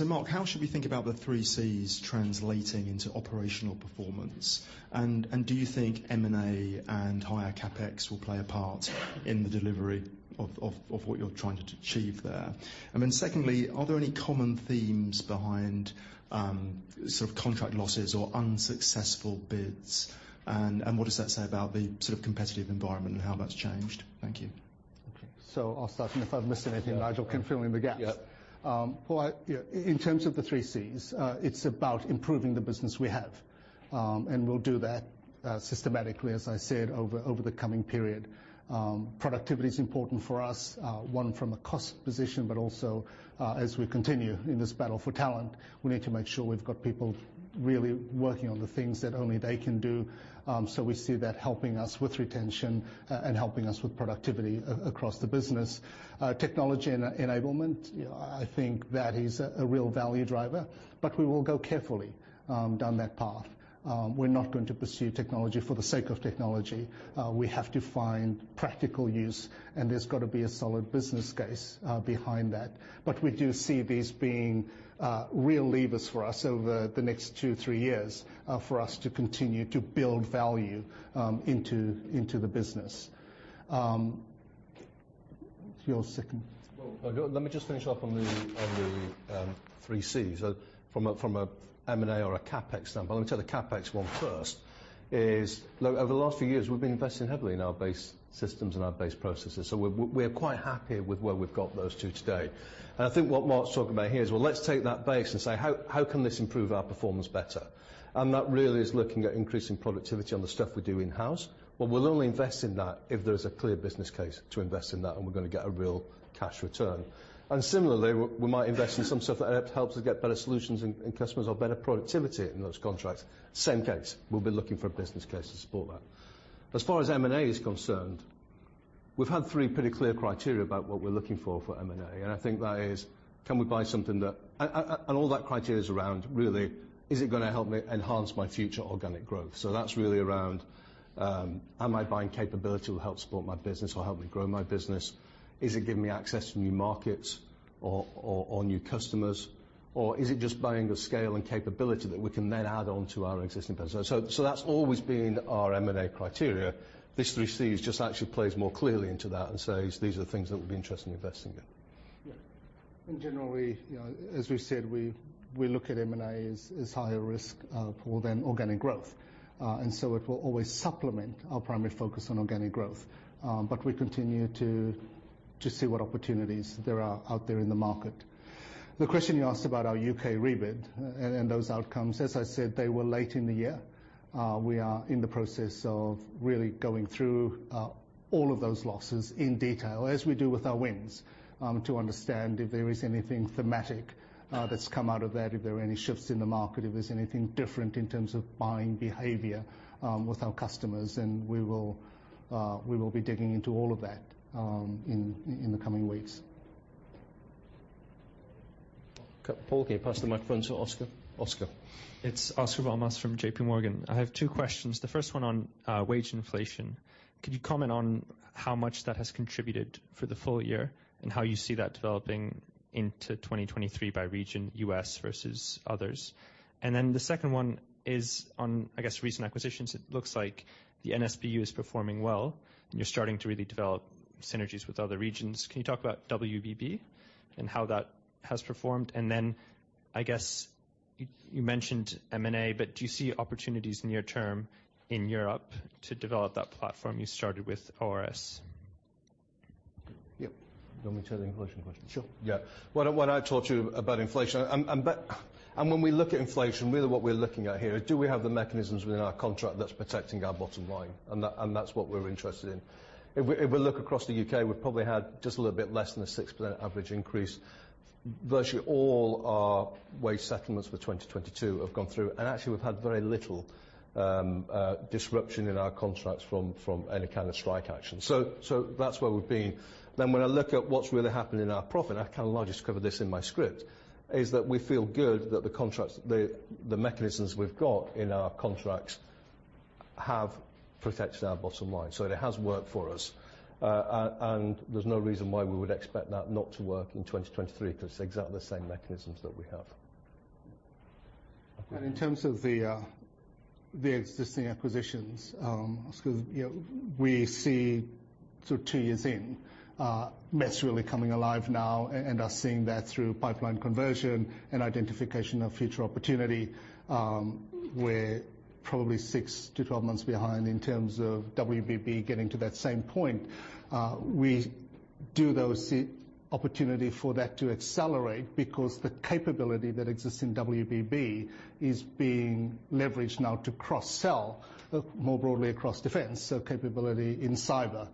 Mark, how should we think about the three Cs translating into operational performance? Do you think M&A and higher CapEx will play a part in the delivery of what you're trying to achieve there? Secondly, are there any common themes behind contract losses or unsuccessful bids? What does that say about the competitive environment and how that's changed? Thank you. Okay, I'll start, and if I've missed anything Nigel can fill in the gaps. Well, in terms of the three Cs, it's about improving the business we have. We'll do that systematically, as I said, over the coming period. Productivity is important for us, one from a cost position, but also, as we continue in this battle for talent, we need to make sure we've got people really working on the things that only they can do. We see that helping us with retention and helping us with productivity across the business. Technology enablement, yeah, I think that is a real value driver, but we will go carefully down that path. We're not going to pursue technology for the sake of technology. We have to find practical use, and there's gotta be a solid business case behind that. We do see these being real levers for us over the next 2, 3 years for us to continue to build value into the business. If you'll second. Let me just finish off on the, on the, three Cs. From a, from a M&A or a CapEx standpoint. Let me tell the CapEx one first, is over the last few years, we've been investing heavily in our base systems and our base processes, so we're quite happy with where we've got those 2 today. I think what Mark's talking about here is, well, let's take that base and say, how can this improve our performance better? That really is looking at increasing productivity on the stuff we do in-house. We'll only invest in that if there's a clear business case to invest in that, and we're gonna get a real cash return. Similarly, we might invest in some stuff that helps us get better solutions and customers or better productivity in those contracts. Same case. We'll be looking for a business case to support that. As far as M&A is concerned, we've had 3 pretty clear criteria about what we're looking for for M&A. I think that is, can we buy something that... All that criteria is around, really, is it gonna help me enhance my future organic growth? That's really around, am I buying capability to help support my business or help me grow my business? Is it giving me access to new markets or new customers? Is it just buying the scale and capability that we can then add on to our existing business? That's always been our M&A criteria. This 3 Cs just actually plays more clearly into that and says these are things that we'll be interested in investing in. Generally, as we've said, we look at M&A as higher risk pool than organic growth. It will always supplement our primary focus on organic growth. We continue to see what opportunities there are out there in the market. The question you asked about our U.K. rebid and those outcomes, as I said, they were late in the year. We are in the process of really going through all of those losses in detail, as we do with our wins, to understand if there is anything thematic that's come out of that, if there are any shifts in the market, if there's anything different in terms of buying behavior with our customers. We will be digging into all of that in the coming weeks. Okay, Paul, can you pass the microphone to Oscar? It's Oscar Val Mas from JPMorgan. I have two questions. The first one on wage inflation. Could you comment on how much that has contributed for the full year and how you see that developing into 2023 by region, U.S. versus others? The second one is on, I guess, recent acquisitions. It looks like the NSBU is performing well, and you're starting to really develop synergies with other regions. Can you talk about WBB and how that has performed? I guess you mentioned M&A, but do you see opportunities near term in Europe to develop that platform you started with ORS? Do you want me to take the inflation question? Yeah. When I talk to you about inflation, when we look at inflation, really what we're looking at here is do we have the mechanisms within our contract that's protecting our bottom line? That's what we're interested in. If we look across the U.K., we've probably had just a little bit less than a 6% average increase. Actually we've had very little disruption in our contracts from any kind of strike action. That's where we've been. When I look at what's really happened in our profit, and I kind of largely covered this in my script, is that we feel good that the contracts, the mechanisms we've got in our contracts have protected our bottom line. It has worked for us. There's no reason why we would expect that not to work in 2023 'cause it's exactly the same mechanisms that we have. In terms of the existing acquisitions, you know, we see sort of 2 years in, METS really coming alive now and are seeing that through pipeline conversion and identification of future opportunity. We're probably 6-12 months behind in terms of WBB getting to that same point. We do though see opportunity for that to accelerate because the capability that exists in WBB is being leveraged now to cross-sell more broadly across defense. Capability in cyber,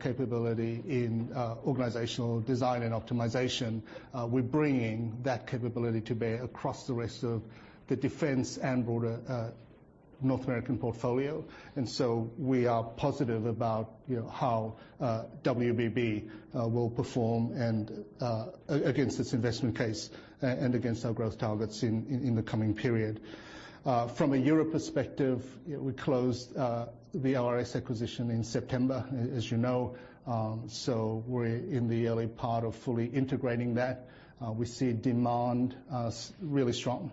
capability in organizational design and optimization. We're bringing that capability to bear across the rest of the defense and broader North American portfolio. We are positive about, you know, how WBB will perform and against this investment case and against our growth targets in the coming period. From a Europe perspective, you know, we closed the ORS acquisition in September, as you know. We're in the early part of fully integrating that. We see demand really strong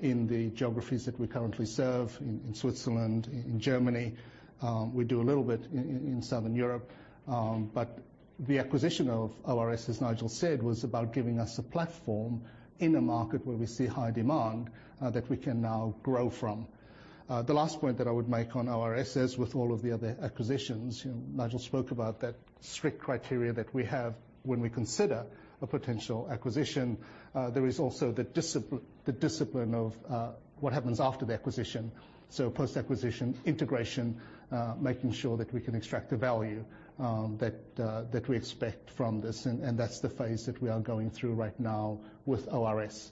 in the geographies that we currently serve in Switzerland, in Germany. We do a little bit in Southern Europe. The acquisition of ORS, as Nigel said, was about giving us a platform in a market where we see high demand that we can now grow from. The last point that I would make on ORS is with all of the other acquisitions, you know, Nigel spoke about that strict criteria that we have when we consider a potential acquisition. There is also the discipline of what happens after the acquisition. Post-acquisition integration, making sure that we can extract the value that we expect from this. That's the phase that we are going through right now with ORS.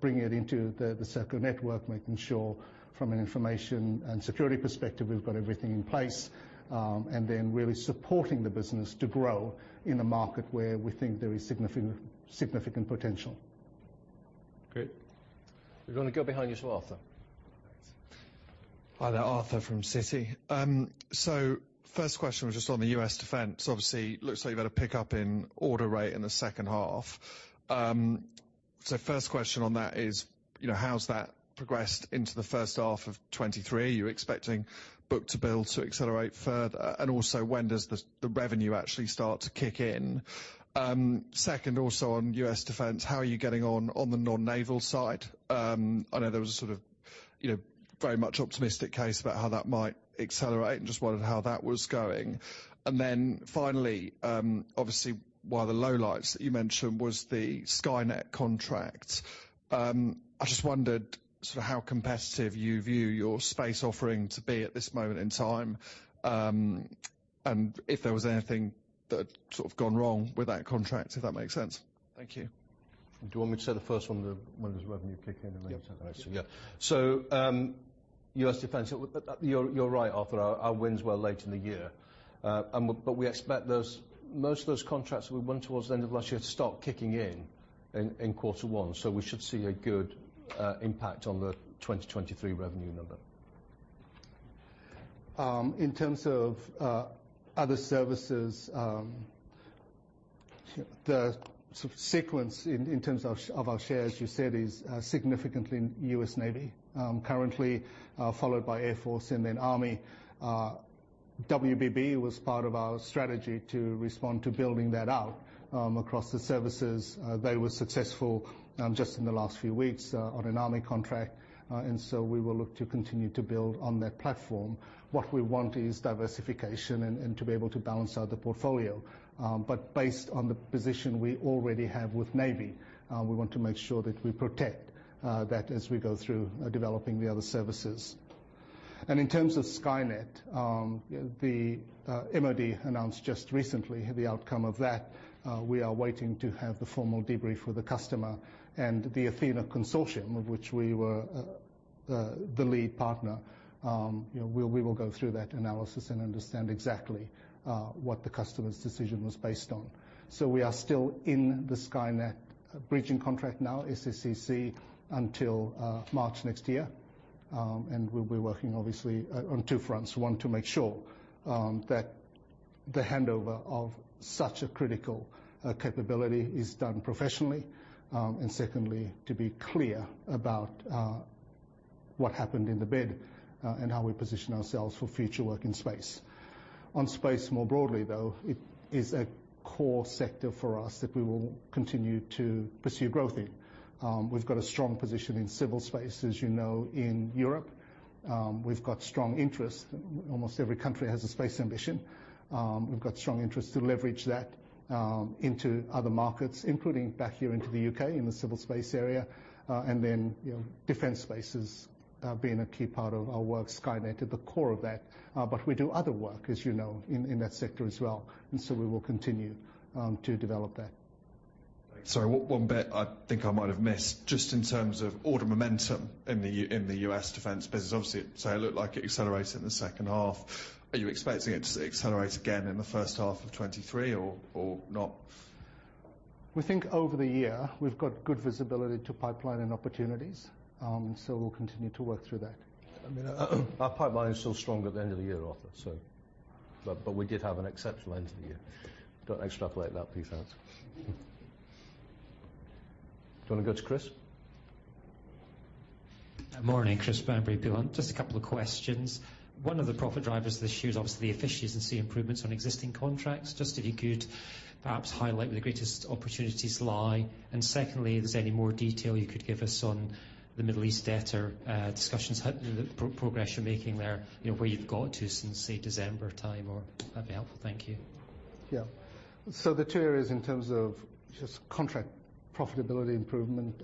Bringing it into the Serco network, making sure from an information and security perspective, we've got everything in place. Then really supporting the business to grow in a market where we think there is significant potential. Great. We're gonna go behind you to Arthur. Hi there, Arthur from Citi. First question was just on the U.S. defense. Obviously, looks like you've had a pick-up in order rate in the second half. First question on that is, you know, how's that progressed into the first half of 2023? Are you expecting book-to-bill to accelerate further? When does the revenue actually start to kick in? Second, also on U.S. defense, how are you getting on the non-naval side? I know there was a sort of, you know, very much optimistic case about how that might accelerate, and just wondered how that was going. Finally, obviously one of the lowlights that you mentioned was the Skynet contract. I just wondered sort of how competitive you view your space offering to be at this moment in time. If there was anything that sort of gone wrong with that contract, if that makes sense. Thank you. Do you want me to say the first one, the when does revenue kick in, and then you take the next one? Yeah. U.S. defense, you're right, Arthur. Our wins were late in the year. We expect those, most of those contracts we won towards the end of last year to start kicking in quarter one. We should see a good impact on the 2023 revenue number. In terms of other services, the sequence in terms of our share, as you said, is significantly in U.S. Navy, currently followed by Air Force and then Army. WBB was part of our strategy to respond to building that out across the services. They were successful just in the last few weeks on an Army contract. We will look to continue to build on that platform. What we want is diversification and to be able to balance out the portfolio. Based on the position we already have with Navy, we want to make sure that we protect that as we go through developing the other services. In terms of Skynet, the MOD announced just recently the outcome of that. We are waiting to have the formal debrief with the customer and the Athena consortium, of which we were the lead partner. You know, we will go through that analysis and understand exactly what the customer's decision was based on. We are still in the Skynet bridging contract now, SCCC, until March next year. We'll be working obviously on two fronts. One, to make sure that the handover of such a critical capability is done professionally. Secondly, to be clear about what happened in the bid and how we position ourselves for future work in space. On space, more broadly, though, it is a core sector for us that we will continue to pursue growth in. We've got a strong position in civil space, as you know, in Europe. We've got strong interest. Almost every country has a space ambition. We've got strong interest to leverage that into other markets, including back here into the U.K. in the civil space area. You know, defense spaces being a key part of our work, Skynet at the core of that. We do other work, as you know, in that sector as well. We will continue to develop that. Sorry, one bit I think I might have missed. Just in terms of order momentum in the U.S. defense business, obviously, it looked like it accelerated in the second half. Are you expecting it to accelerate again in the first half of 2023 or not? We think over the year we've got good visibility to pipeline and opportunities. We'll continue to work through that. I mean, our pipeline is still strong at the end of the year, Arthur, so. We did have an exceptional end of the year. Don't extrapolate that please out. Do you want to go to Chris? Morning, Chris Bamberry, Peel Hunt. Just a couple of questions. One of the profit drivers this year is obviously the efficiencies and see improvements on existing contracts. Just if you could perhaps highlight where the greatest opportunities lie. Secondly, if there's any more detail you could give us on the Middle East data, discussions, the progress you're making there, you know, where you've got to since, say, December time or that'd be helpful. Thank you. The two areas in terms of just contract profitability improvement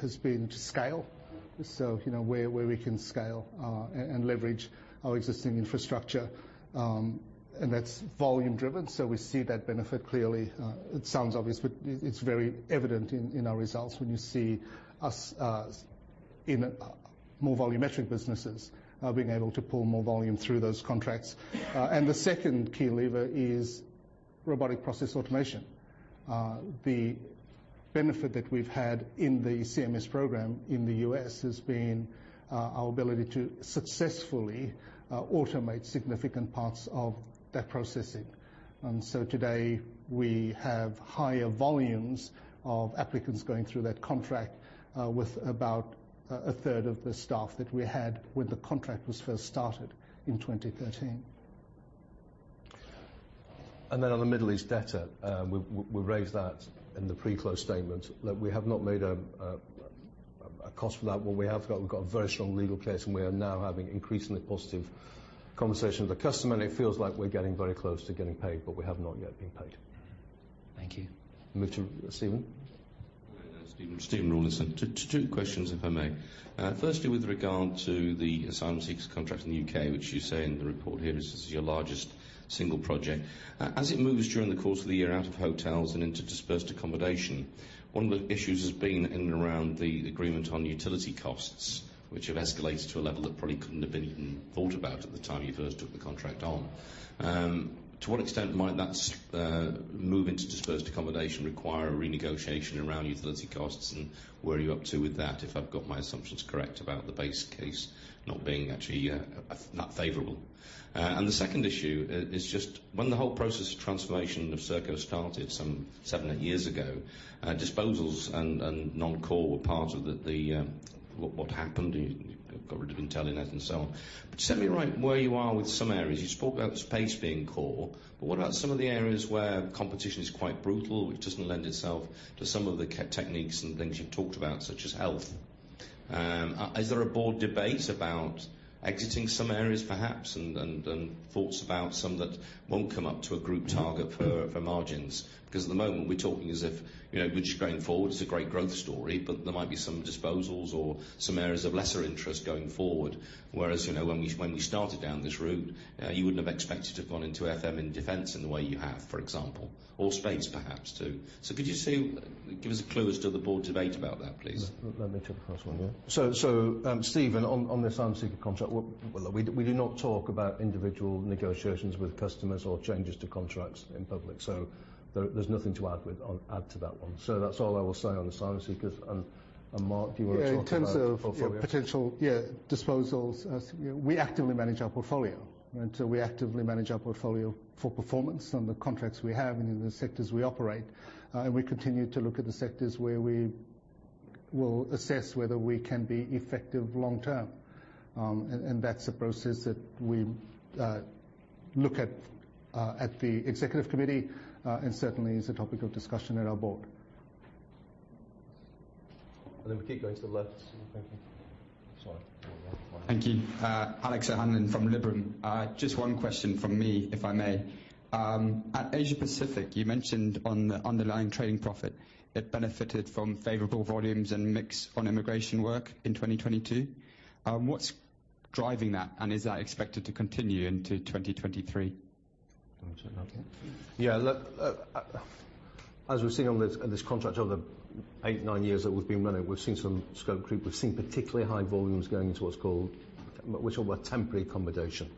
has been to scale. You know, where we can scale and leverage our existing infrastructure, and that's volume driven, we see that benefit clearly. It sounds obvious, but it's very evident in our results when you see us in more volumetric businesses being able to pull more volume through those contracts. The second key lever is robotic process automation. The benefit that we've had in the CMS program in the U.S. has been our ability to successfully automate significant parts of that processing. Today we have higher volumes of applicants going through that contract with about a third of the staff that we had when the contract was first started in 2013. On the Middle East debtor, we raised that in the pre-close statement that we have not made a cost for that one. We've got a very strong legal case. We are now having increasingly positive conversations with the customer. It feels like we're getting very close to getting paid. We have not yet been paid. Thank you. Move to Steven. Stephen Rawlinson. Two questions, if I may. Firstly, with regard to the asylum seekers contract in the U.K., which you say in the report here is your largest single project. As it moves during the course of the year out of hotels and into dispersed accommodation, one of the issues has been in and around the agreement on utility costs, which have escalated to a level that probably couldn't have been even thought about at the time you first took the contract on. To what extent might that move into dispersed accommodation require a renegotiation around utility costs, and where are you up to with that, if I've got my assumptions correct about the base case not being actually that favorable? The second issue is just when the whole process of transformation of Serco started some seven, eight years ago, disposals and non-core were part of the what happened. You got rid of Intelenet and so on. Set me right where you are with some areas. You spoke about space being core. What about some of the areas where competition is quite brutal, which doesn't lend itself to some of the tech-techniques and things you've talked about, such as health? Is there a board debate about exiting some areas perhaps, and thoughts about some that won't come up to a group target for margins? Because at the moment, we're talking as if which going forward is a great growth story, but there might be some disposals or some areas of lesser interest going forward. Whereas, when we started down this route, you wouldn't have expected to have gone into FM and defense in the way you have, for example, or space perhaps too. So could you say, give us a clue as to the board debate about that, please? Let me take the first one, yeah. Stephen, on this asylum seeker contract, we do not talk about individual negotiations with customers or changes to contracts in public. There's nothing to add to that one. That's all I will say on the asylum seekers. Mark, do you want to talk about portfolio? In terms of potential disposals, as you know, we actively manage our portfolio. We actively manage our portfolio for performance on the contracts we have and in the sectors we operate. We continue to look at the sectors where we will assess whether we can be effective long term. That's a process that we look at at the executive committee, and certainly is a topic of discussion at our board. We keep going to the left. Thank you. Thank you. Alex O'Hanlon from Liberum. Just one question from me, if I may. At Asia Pacific, you mentioned on the Underlying Trading Profit, it benefited from favorable volumes and mix on immigration work in 2022. What's driving that, and is that expected to continue into 2023? Do you want to take that one? Look, as we've seen on this contract over 8, 9 years that we've been running, we've seen some scope creep. We've seen particularly high volumes going into what's called temporary accommodation,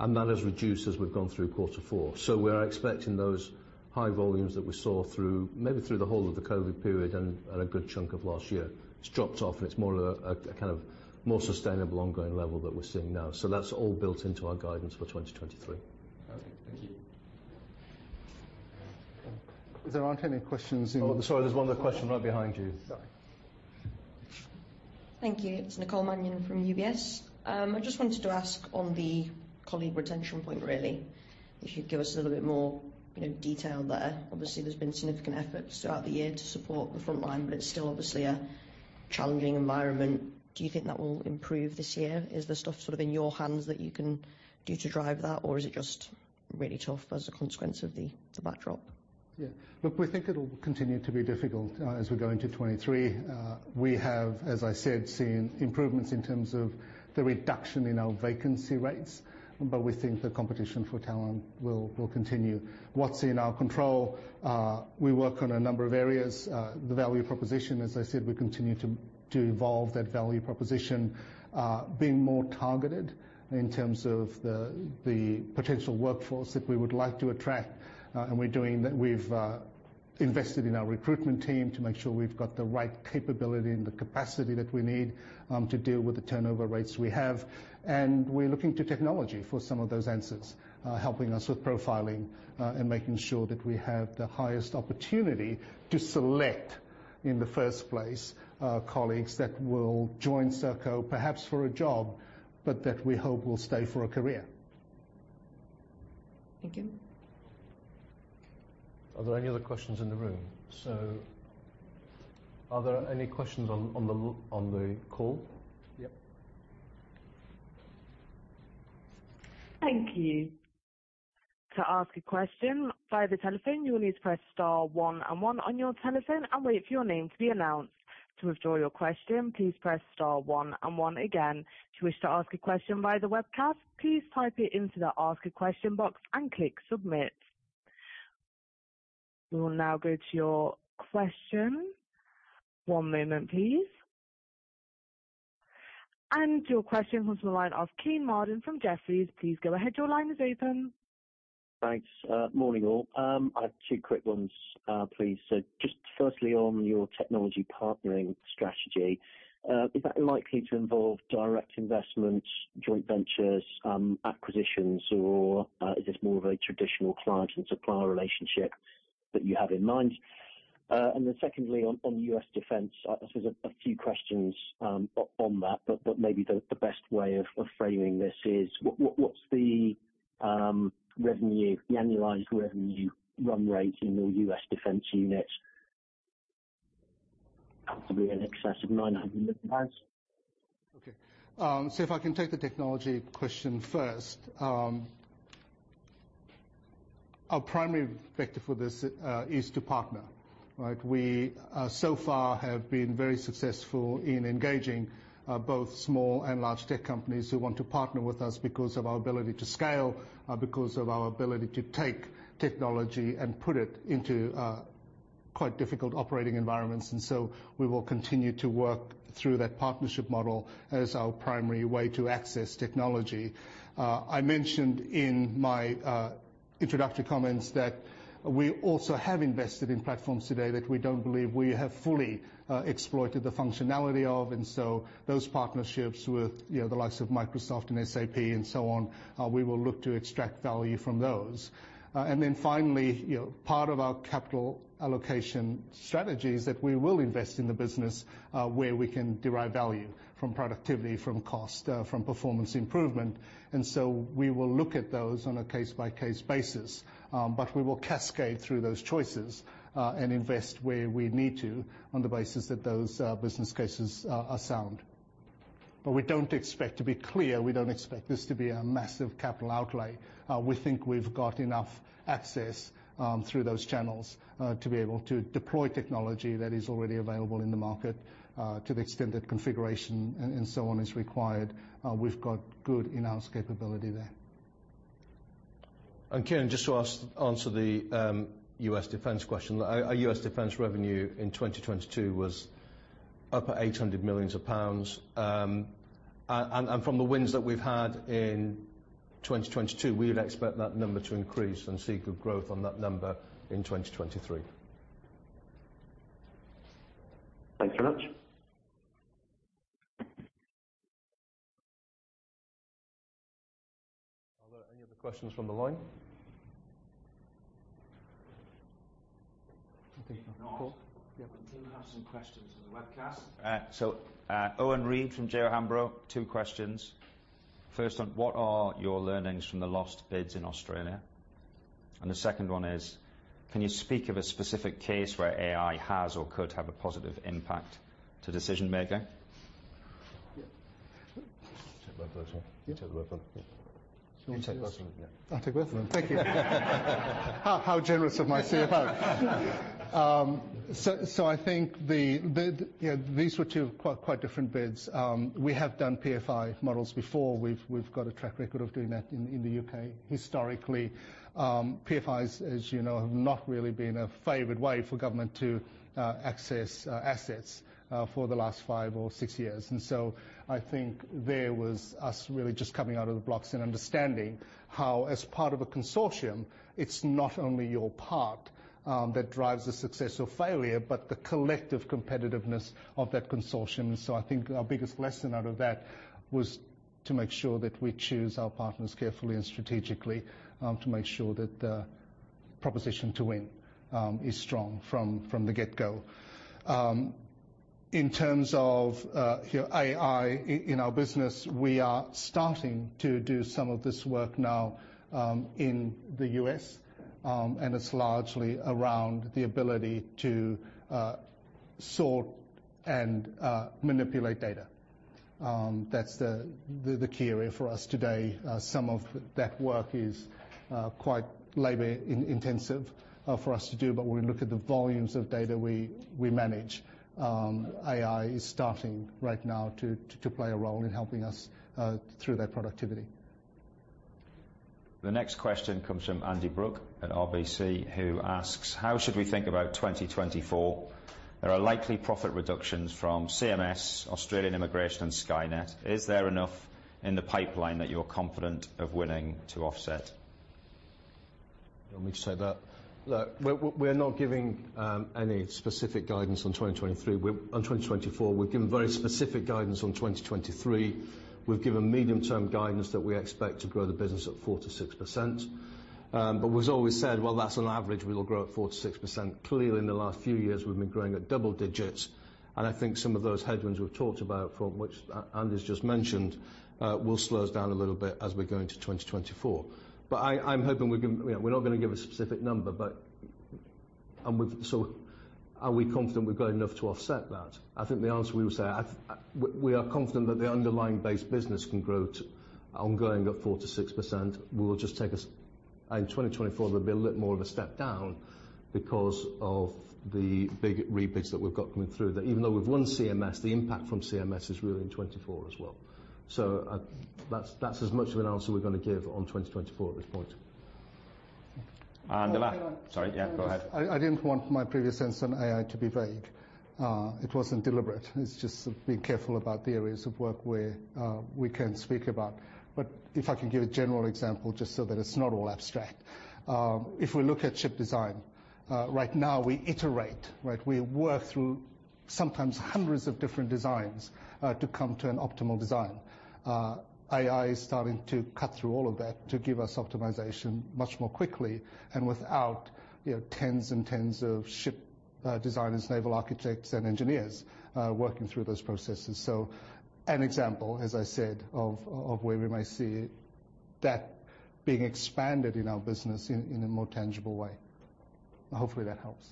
and that has reduced as we've gone through quarter four. We are expecting those high volumes that we saw through, maybe through the whole of the COVID period and a good chunk of last year. It's dropped off, and it's more of a kind of more sustainable ongoing level that we're seeing now. That's all built into our guidance for 2023. Okay, thank you. If there aren't any questions in the. Oh, sorry. There's one other question right behind you. Thank you. It's Nicole Manion from UBS. I just wanted to ask on the colleague retention point, really, if you'd give us a little bit more, you know, detail there. Obviously, there's been significant effort throughout the year to support the front line, but it's still obviously a challenging environment. Do you think that will improve this year? Is there stuff sort of in your hands that you can do to drive that, or is it just really tough as a consequence of the backdrop? Look, we think it'll continue to be difficult as we go into 2023. We have, as I said, seen improvements in terms of the reduction in our vacancy rates, we think the competition for talent will continue. What's in our control? We work on a number of areas. The value proposition, as I said, we continue to evolve that value proposition, being more targeted in terms of the potential workforce that we would like to attract. We're doing that. We've invested in our recruitment team to make sure we've got the right capability and the capacity that we need to deal with the turnover rates we have. We're looking to technology for some of those answers, helping us with profiling, and making sure that we have the highest opportunity to select in the first place, colleagues that will join Serco perhaps for a job, but that we hope will stay for a career. Thank you. Are there any other questions in the room? Are there any questions on the call? Thank you. To ask a question via the telephone, you will need to press star one and one on your telephone and wait for your name to be announced. To withdraw your question, please press star one and one again. To ask a question via the webcast, please type it into the Ask a Question box and click Submit. We will now go to your question. One moment, please. Your question comes from the line of Kean Marden from Jefferies. Please go ahead. Your line is open. Thanks. Morning, all. I have two quick ones, please. Just firstly, on your technology partnering strategy, is that likely to involve direct investments, joint ventures, acquisitions, or is this more of a traditional client and supplier relationship that you have in mind? Secondly, on U.S. Defense, I guess there's a few questions on that, but maybe the best way of framing this is what's the revenue, the annualized revenue run rate in your U.S. Defense unit? Possibly in excess of 900. Okay. If I can take the technology question first. Our primary vector for this is to partner, right? We so far have been very successful in engaging both small and large tech companies who want to partner with us because of our ability to scale, because of our ability to take technology and put it into quite difficult operating environments. We will continue to work through that partnership model as our primary way to access technology. I mentioned in my introductory comments that we also have invested in platforms today that we don't believe we have fully exploited the functionality of. Those partnerships with, you know, the likes of Microsoft and SAP and so on, we will look to extract value from those. Finally, you know, part of our capital allocation strategy is that we will invest in the business, where we can derive value from productivity, from cost, from performance improvement. We will look at those on a case-by-case basis. We will cascade through those choices, and invest where we need to on the basis that those business cases are sound. We don't expect to be clear, we don't expect this to be a massive capital outlay. We think we've got enough access, through those channels, to be able to deploy technology that is already available in the market, to the extent that configuration and so on is required. We've got good in-house capability there. Kean, just to answer the U.S. Defense question. Our U.S. Defense revenue in 2022 was up at 800 million pounds. From the wins that we've had in 2022, we would expect that number to increase and see good growth on that number in 2023. Thanks so much. Are there any other questions from the line? Okay. Cool. If not, we did have some questions on the webcast. Eoghan Reid from JO Hambro, two questions. First one, what are your learnings from the lost bids in Australia? The second one is, can you speak of a specific case where AI has or could have a positive impact to decision-making? Take that question. You take that one. You take that one. I'll take both of them. Thank you. How generous of my CFO. I think the, you know, these were two quite different bids. We have done PFI models before. We've got a track record of doing that in the U.K. Historically, PFIs, as you know, have not really been a favored way for government to access assets for the last five or six years. I think there was us really just coming out of the blocks and understanding how as part of a consortium, it's not only your part that drives the success or failure, but the collective competitiveness of that consortium. I think our biggest lesson out of that was to make sure that we choose our partners carefully and strategically, to make sure that the proposition to win is strong from the get-go. In terms of, you know, AI in our business, we are starting to do some of this work now in the U.S., and it's largely around the ability to sort and manipulate data. That's the key area for us today. Some of that work is quite labor-intensive for us to do. When we look at the volumes of data we manage, AI is starting right now to play a role in helping us through that productivity. The next question comes from Andrew Brooke at RBC, who asks, "How should we think about 2024? There are likely profit reductions from CMS, Australian Immigration, and Skynet. Is there enough in the pipeline that you're confident of winning to offset? You want me to take that? We're not giving any specific guidance on 2023. On 2024. We've given very specific guidance on 2023. We've given medium-term guidance that we expect to grow the business at 4%-6%. We've always said, well, that's on average, we will grow at 4%-6%. Clearly, in the last few years, we've been growing at double digits. I think some of those headwinds we've talked about from which Andy's just mentioned, will slow us down a little bit as we go into 2024. I'm hoping we're gonna, you know, we're not gonna give a specific number, but, and so are we confident we've got enough to offset that? I think the answer we will say, we are confident that the underlying base business can grow to ongoing at 4%-6%. We will just take and 2024, there'll be a little more of a step down because of the big rebids that we've got coming through. That even though we've won CMS, the impact from CMS is really in 2024 as well. That's as much of an answer we're gonna give on 2024 at this point. Sorry. Go ahead. I didn't want my previous answer on AI to be vague. It wasn't deliberate. It's just being careful about the areas of work where we can speak about. If I could give a general example just so that it's not all abstract. If we look at chip design, right now we iterate, right? We work through sometimes hundreds of different designs to come to an optimal design. AI is starting to cut through all of that to give us optimization much more quickly and without, you know, tens and tens of ship designers, naval architects, and engineers working through those processes. An example, as I said, of where we might see that being expanded in our business in a more tangible way. Hopefully that helps.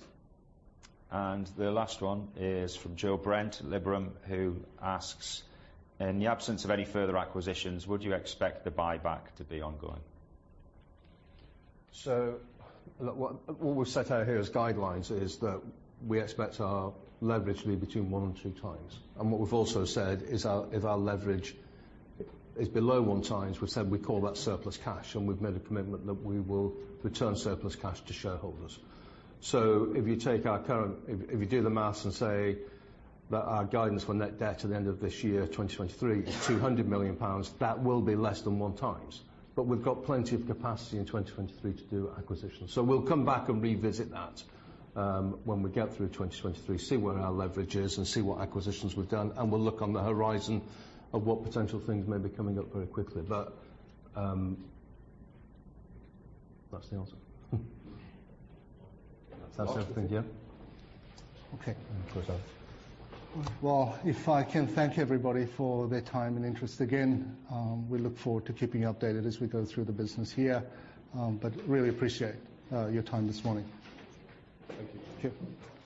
The last one is from Joe Brent at Liberum who asks, "In the absence of any further acquisitions, would you expect the buyback to be ongoing? What we've set out here as guidelines is that we expect our leverage to be between 1x and 2x. What we've also said if our leverage is below 1x, we've said we call that surplus cash, and we've made a commitment that we will return surplus cash to shareholders. If you do the maths and say that our guidance for net debt at the end of this year, 2023, is 200 million pounds, that will be less than 1x. We've got plenty of capacity in 2023 to do acquisitions. We'll come back and revisit that when we get through 2023, see where our leverage is, and see what acquisitions we've done, and we'll look on the horizon of what potential things may be coming up very quickly. That's the answer. Does that answer it, yeah? If I can thank everybody for their time and interest again. We look forward to keeping you updated as we go through the business year. Really appreciate your time this morning. Thank you. Thank you.